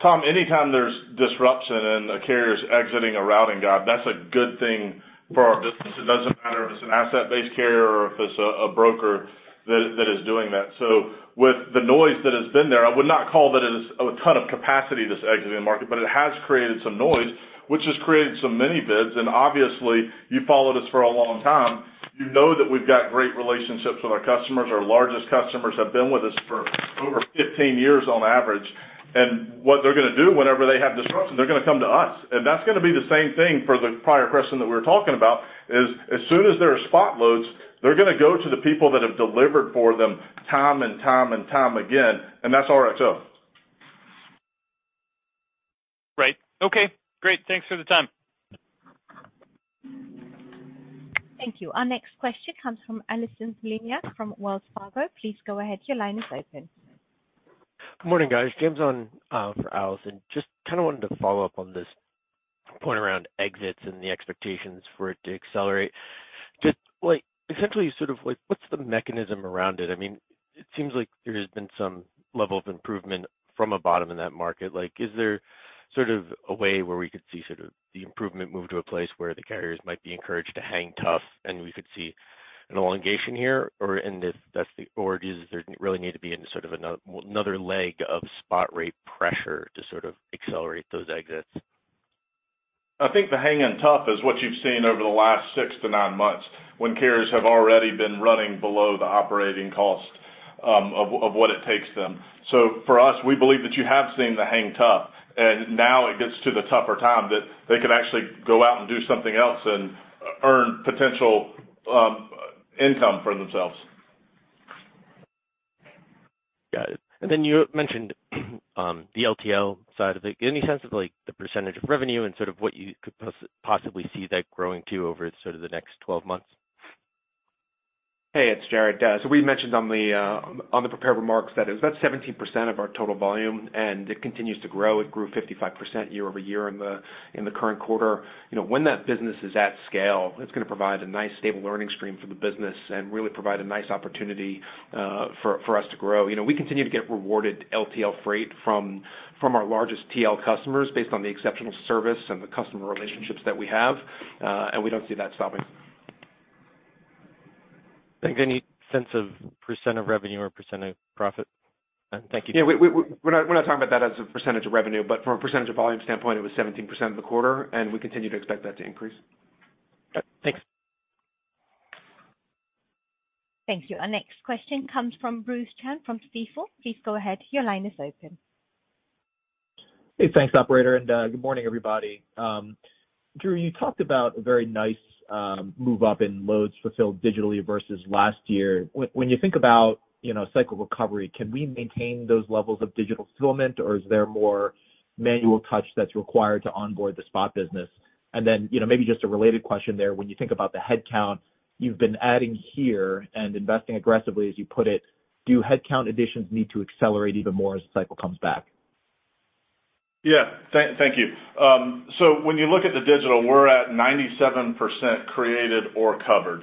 Tom, anytime there's disruption and a carrier is exiting a routing guide, that's a good thing for our business. It doesn't matter if it's an asset-based carrier or if it's a broker that is doing that. So with the noise that has been there, I would not call that it is a ton of capacity that's exiting the market, but it has created some noise, which has created some mini bids. And obviously, you followed us for a long time. You know that we've got great relationships with our customers. Our largest customers have been with us for over 15 years on average, and what they're going to do whenever they have disruption, they're going to come to us. That's going to be the same thing for the prior question that we were talking about: as soon as there are spot loads, they're going to go to the people that have delivered for them time and time and time again, and that's RXO. Right. Okay, great. Thanks for the time. Thank you. Our next question comes from Allison Poliniak from Wells Fargo. Please go ahead, your line is open. Good morning, guys. James on for Allison. Just kind of wanted to follow up on this point around exits and the expectations for it to accelerate. Just like, essentially, sort of like, what's the mechanism around it? I mean, it seems like there has been some level of improvement from a bottom in that market. Like, is there sort of a way where we could see sort of the improvement move to a place where the carriers might be encouraged to hang tough and we could see an elongation here? Or does there really need to be into sort of another leg of spot rate pressure to sort of accelerate those exits? I think the hanging tough is what you've seen over the last 6-9 months, when carriers have already been running below the operating cost of what it takes them. So for us, we believe that you have seen the hang tough, and now it gets to the tougher time that they could actually go out and do something else and earn potential income for themselves. Got it. And then you mentioned the LTL side of it. Any sense of, like, the percentage of revenue and sort of what you could possibly see that growing to over sort of the next 12 months? Hey, it's Jared. So we mentioned on the, on the prepared remarks that it was about 17% of our total volume, and it continues to grow. It grew 55% year-over-year in the current quarter. You know, when that business is at scale, it's going to provide a nice, stable earnings stream for the business and really provide a nice opportunity, for us to grow. You know, we continue to get rewarded LTL freight from our largest TL customers based on the exceptional service and the customer relationships that we have, and we don't see that stopping. Any sense of % of revenue or % of profit? Thank you. Yeah, we're not talking about that as a percentage of revenue, but from a percentage of volume standpoint, it was 17% of the quarter, and we continue to expect that to increase. Thanks. Thank you. Our next question comes from Bruce Chan from Stifel. Please go ahead, your line is open. Hey, thanks, operator, and good morning, everybody. Drew, you talked about a very nice move up in loads fulfilled digitally versus last year. When, when you think about, you know, cycle recovery, can we maintain those levels of digital fulfillment, or is there more manual touch that's required to onboard the spot business? And then, you know, maybe just a related question there: when you think about the headcount you've been adding here and investing aggressively, as you put it, do headcount additions need to accelerate even more as the cycle comes back? Yeah. Thank, thank you. So when you look at the digital, we're at 97% created or covered.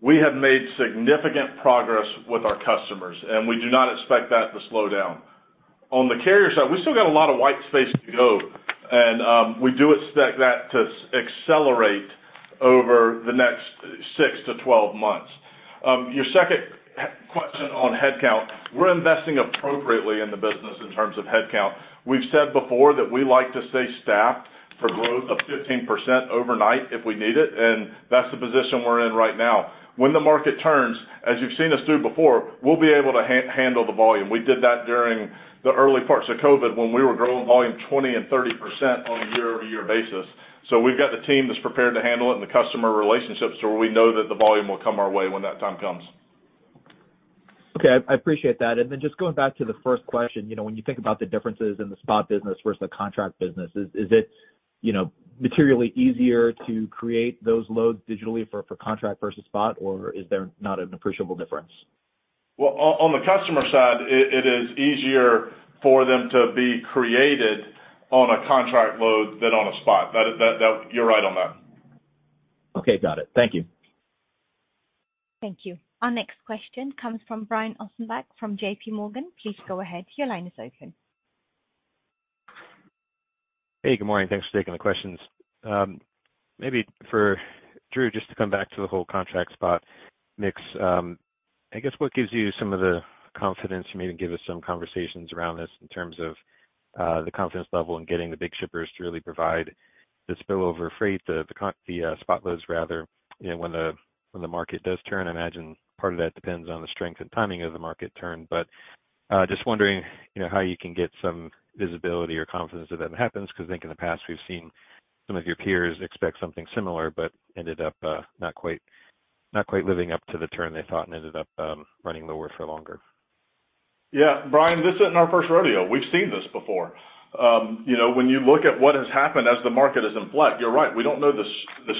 We have made significant progress with our customers, and we do not expect that to slow down. On the carrier side, we still got a lot of white space to go, and we do expect that to accelerate over the next 6-12 months. Your second question on headcount, we're investing appropriately in the business in terms of headcount. We've said before that we like to stay staffed for growth of 15% overnight if we need it, and that's the position we're in right now. When the market turns, as you've seen us through before, we'll be able to handle the volume. We did that during the early parts of COVID, when we were growing volume 20% and 30% on a year-over-year basis. So we've got the team that's prepared to handle it and the customer relationships, where we know that the volume will come our way when that time comes. Okay, I appreciate that. And then just going back to the first question, you know, when you think about the differences in the spot business versus the contract business, is it, you know, materially easier to create those loads digitally for contract versus spot, or is there not an appreciable difference? Well, on the customer side, it is easier for them to be created on a contract load than on a spot. That is, you're right on that. Okay, got it. Thank you. Thank you. Our next question comes from Brian Ossenbeck, from J.P. Morgan. Please go ahead, your line is open. Hey, good morning. Thanks for taking the questions. Maybe for Drew, just to come back to the whole contract spot mix. I guess, what gives you some of the confidence, you maybe give us some conversations around this in terms of, the confidence level in getting the big shippers to really provide the spillover freight, the spot loads, rather, you know, when the, when the market does turn? I imagine part of that depends on the strength and timing of the market turn, but just wondering, you know, how you can get some visibility or confidence that that happens? Because I think in the past, we've seen some of your peers expect something similar, but ended up, not quite, not quite living up to the turn they thought and ended up, running lower for longer. Yeah, Brian, this isn't our first rodeo. We've seen this before. You know, when you look at what has happened as the market is in flux, you're right, we don't know the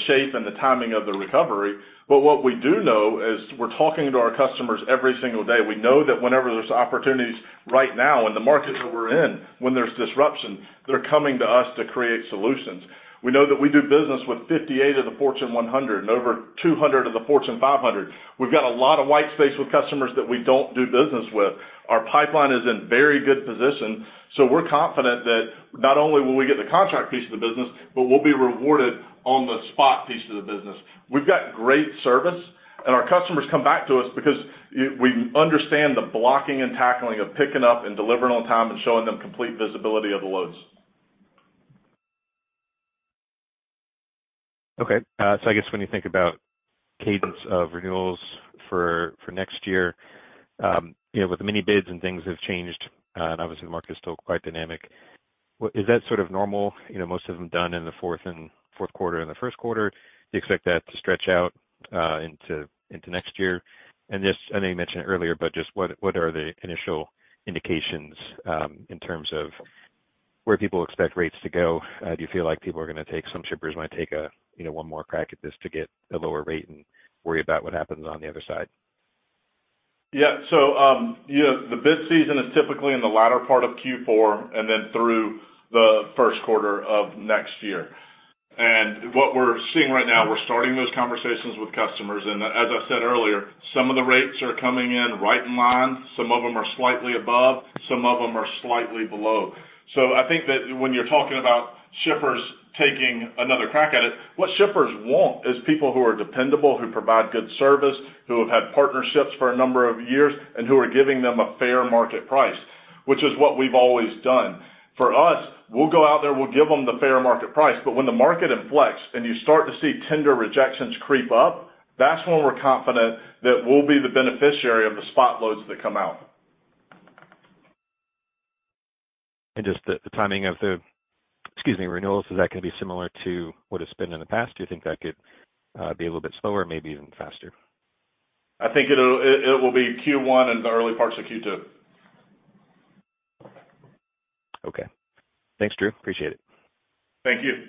shape and the timing of the recovery, but what we do know is we're talking to our customers every single day. We know that whenever there's opportunities right now in the market that we're in, when there's disruption, they're coming to us to create solutions. We know that we do business with 58 of the Fortune 100 and over 200 of the Fortune 500. We've got a lot of white space with customers that we don't do business with. Our pipeline is in very good position, so we're confident that not only will we get the contract piece of the business, but we'll be rewarded on the spot piece of the business. We've got great service, and our customers come back to us because we understand the blocking and tackling of picking up and delivering on time and showing them complete visibility of the loads. Okay. So I guess when you think about cadence of renewals for next year, you know, with the many bids and things have changed, and obviously, the market is still quite dynamic. Is that sort of normal? You know, most of them done in the fourth quarter and the first quarter, do you expect that to stretch out into next year? And just, I know you mentioned it earlier, but just what are the initial indications in terms of where people expect rates to go? Do you feel like people are going to take some shippers might take a you know one more crack at this to get a lower rate and worry about what happens on the other side? Yeah. So, you know, the bid season is typically in the latter part of Q4 and then through the first quarter of next year. And what we're seeing right now, we're starting those conversations with customers, and as I said earlier, some of the rates are coming in right in line, some of them are slightly above, some of them are slightly below. So I think that when you're talking about shippers taking another crack at it, what shippers want is people who are dependable, who provide good service, who have had partnerships for a number of years, and who are giving them a fair market price, which is what we've always done. For us, we'll go out there, we'll give them the fair market price, but when the market inflects and you start to see tender rejections creep up, that's when we're confident that we'll be the beneficiary of the spot loads that come out. And just the timing of the renewals, excuse me, is that going to be similar to what it's been in the past? Do you think that could be a little bit slower, maybe even faster? I think it will be Q1 and the early parts of Q2. Okay. Thanks, Drew. Appreciate it. Thank you.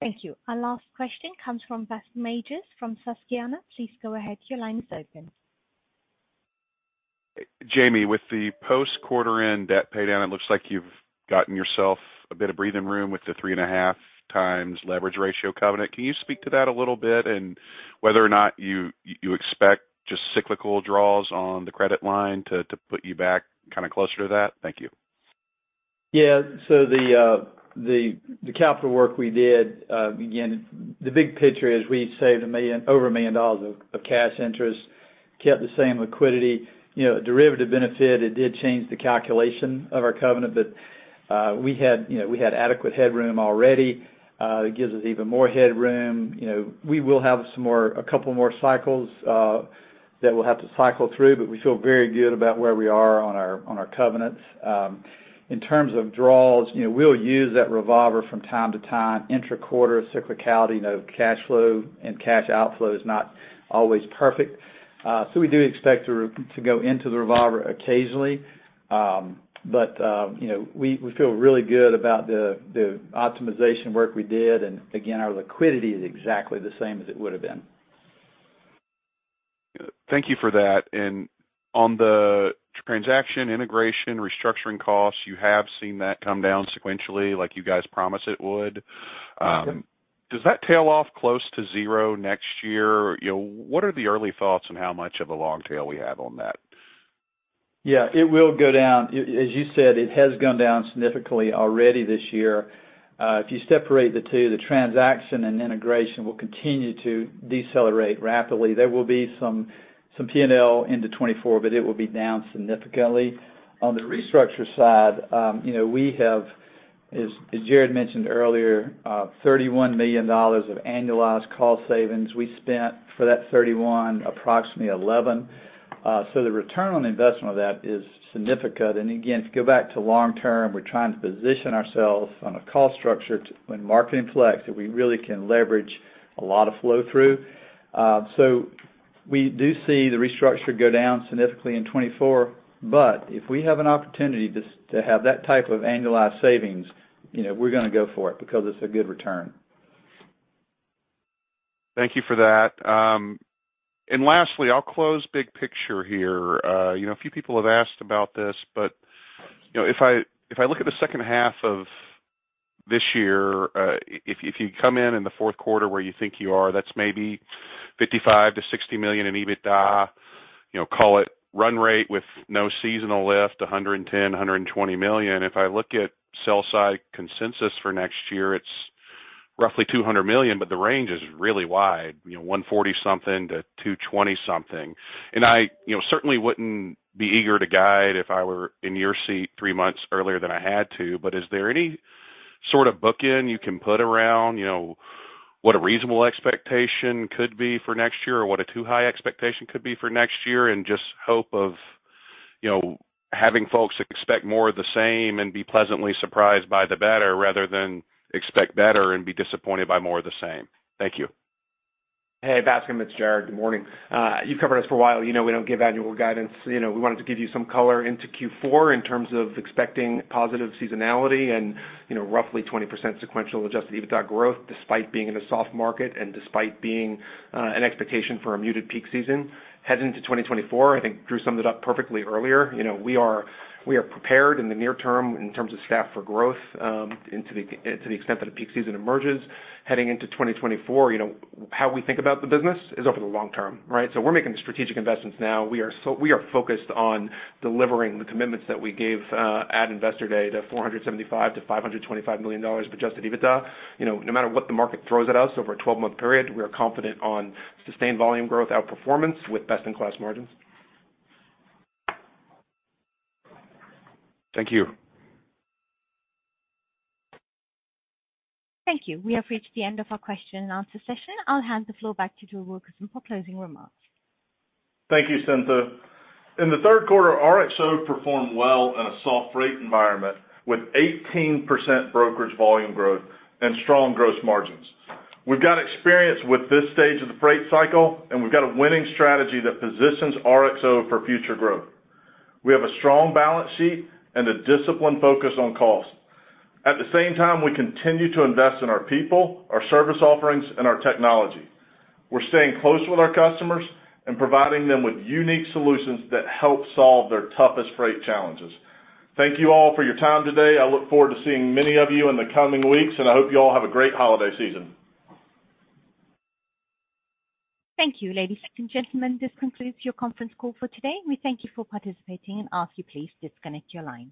Thank you. Our last question comes from Bascome Majors, from Susquehanna. Please go ahead, your line is open. Jamie, with the post quarter end debt pay down, it looks like you've gotten yourself a bit of breathing room with the 3.5x leverage ratio covenant. Can you speak to that a little bit? And whether or not you expect just cyclical draws on the credit line to put you back kind of closer to that? Thank you. Yeah. So the capital work we did, again, the big picture is we saved over $1 million of cash interest, kept the same liquidity. You know, derivative benefit, it did change the calculation of our covenant, but we had, you know, we had adequate headroom already. It gives us even more headroom. You know, we will have some more, a couple more cycles that we'll have to cycle through, but we feel very good about where we are on our covenants. In terms of draws, you know, we'll use that revolver from time to time, intra-quarter cyclicality, you know, cash flow and cash outflow is not always perfect. So we do expect to go into the revolver occasionally. But, you know, we feel really good about the optimization work we did, and again, our liquidity is exactly the same as it would've been. Thank you for that. On the transaction integration, restructuring costs, you have seen that come down sequentially, like you guys promised it would. Yes. Does that tail off close to zero next year? You know, what are the early thoughts on how much of a long tail we have on that? Yeah, it will go down. As you said, it has gone down significantly already this year. If you separate the two, the transaction and integration will continue to decelerate rapidly. There will be some P&L into 2024, but it will be down significantly. On the restructure side, you know, we have, as Jared mentioned earlier, $31 million of annualized cost savings. We spent for that $31 million, approximately $11 million. So the return on investment of that is significant. Again, to go back to long term, we're trying to position ourselves on a cost structure to when market inflects, that we really can leverage a lot of flow through. So we do see the restructure go down significantly in 2024, but if we have an opportunity to have that type of annualized savings, you know, we're going to go for it, because it's a good return. Thank you for that. And lastly, I'll close big picture here. You know, a few people have asked about this, but, you know, if I look at the second half of this year, if you come in in the fourth quarter where you think you are, that's maybe $55 million-$60 million in EBITDA, you know, call it run rate with no seasonal lift, $110 million-$120 million. If I look at sell-side consensus for next year, it's roughly $200 million, but the range is really wide, you know, 140-something to 220-something. And I, you know, certainly wouldn't be eager to guide if I were in your seat three months earlier than I had to, but is there any sort of bookend you can put around, you know What a reasonable expectation could be for next year, or what a too high expectation could be for next year, and just hope of, you know, having folks expect more of the same and be pleasantly surprised by the better, rather than expect better and be disappointed by more of the same? Thank you. Hey, Bascome, it's Jared. Good morning. You've covered us for a while. You know, we don't give annual guidance. You know, we wanted to give you some color into Q4 in terms of expecting positive seasonality and, you know, roughly 20% sequential Adjusted EBITDA growth, despite being in a soft market and despite being an expectation for a muted peak season. Heading into 2024, I think Drew summed it up perfectly earlier. You know, we are, we are prepared in the near term in terms of staff for growth, into the, to the extent that a peak season emerges. Heading into 2024, you know, how we think about the business is over the long term, right? So we're making strategic investments now. We are focused on delivering the commitments that we gave at Investor Day, the $475 million-$525 million adjusted EBITDA. You know, no matter what the market throws at us over a 12-month period, we are confident on sustained volume growth, outperformance with best-in-class margins. Thank you. Thank you. We have reached the end of our question and answer session. I'll hand the floor back to Drew Wilkerson for closing remarks. Thank you, Cynthia. In the third quarter, RXO performed well in a soft rate environment with 18% brokerage volume growth and strong gross margins. We've got experience with this stage of the freight cycle, and we've got a winning strategy that positions RXO for future growth. We have a strong balance sheet and a disciplined focus on cost. At the same time, we continue to invest in our people, our service offerings, and our technology. We're staying close with our customers and providing them with unique solutions that help solve their toughest freight challenges. Thank you all for your time today. I look forward to seeing many of you in the coming weeks, and I hope you all have a great holiday season. Thank you, ladies and gentlemen. This concludes your conference call for today. We thank you for participating and ask you to please disconnect your lines.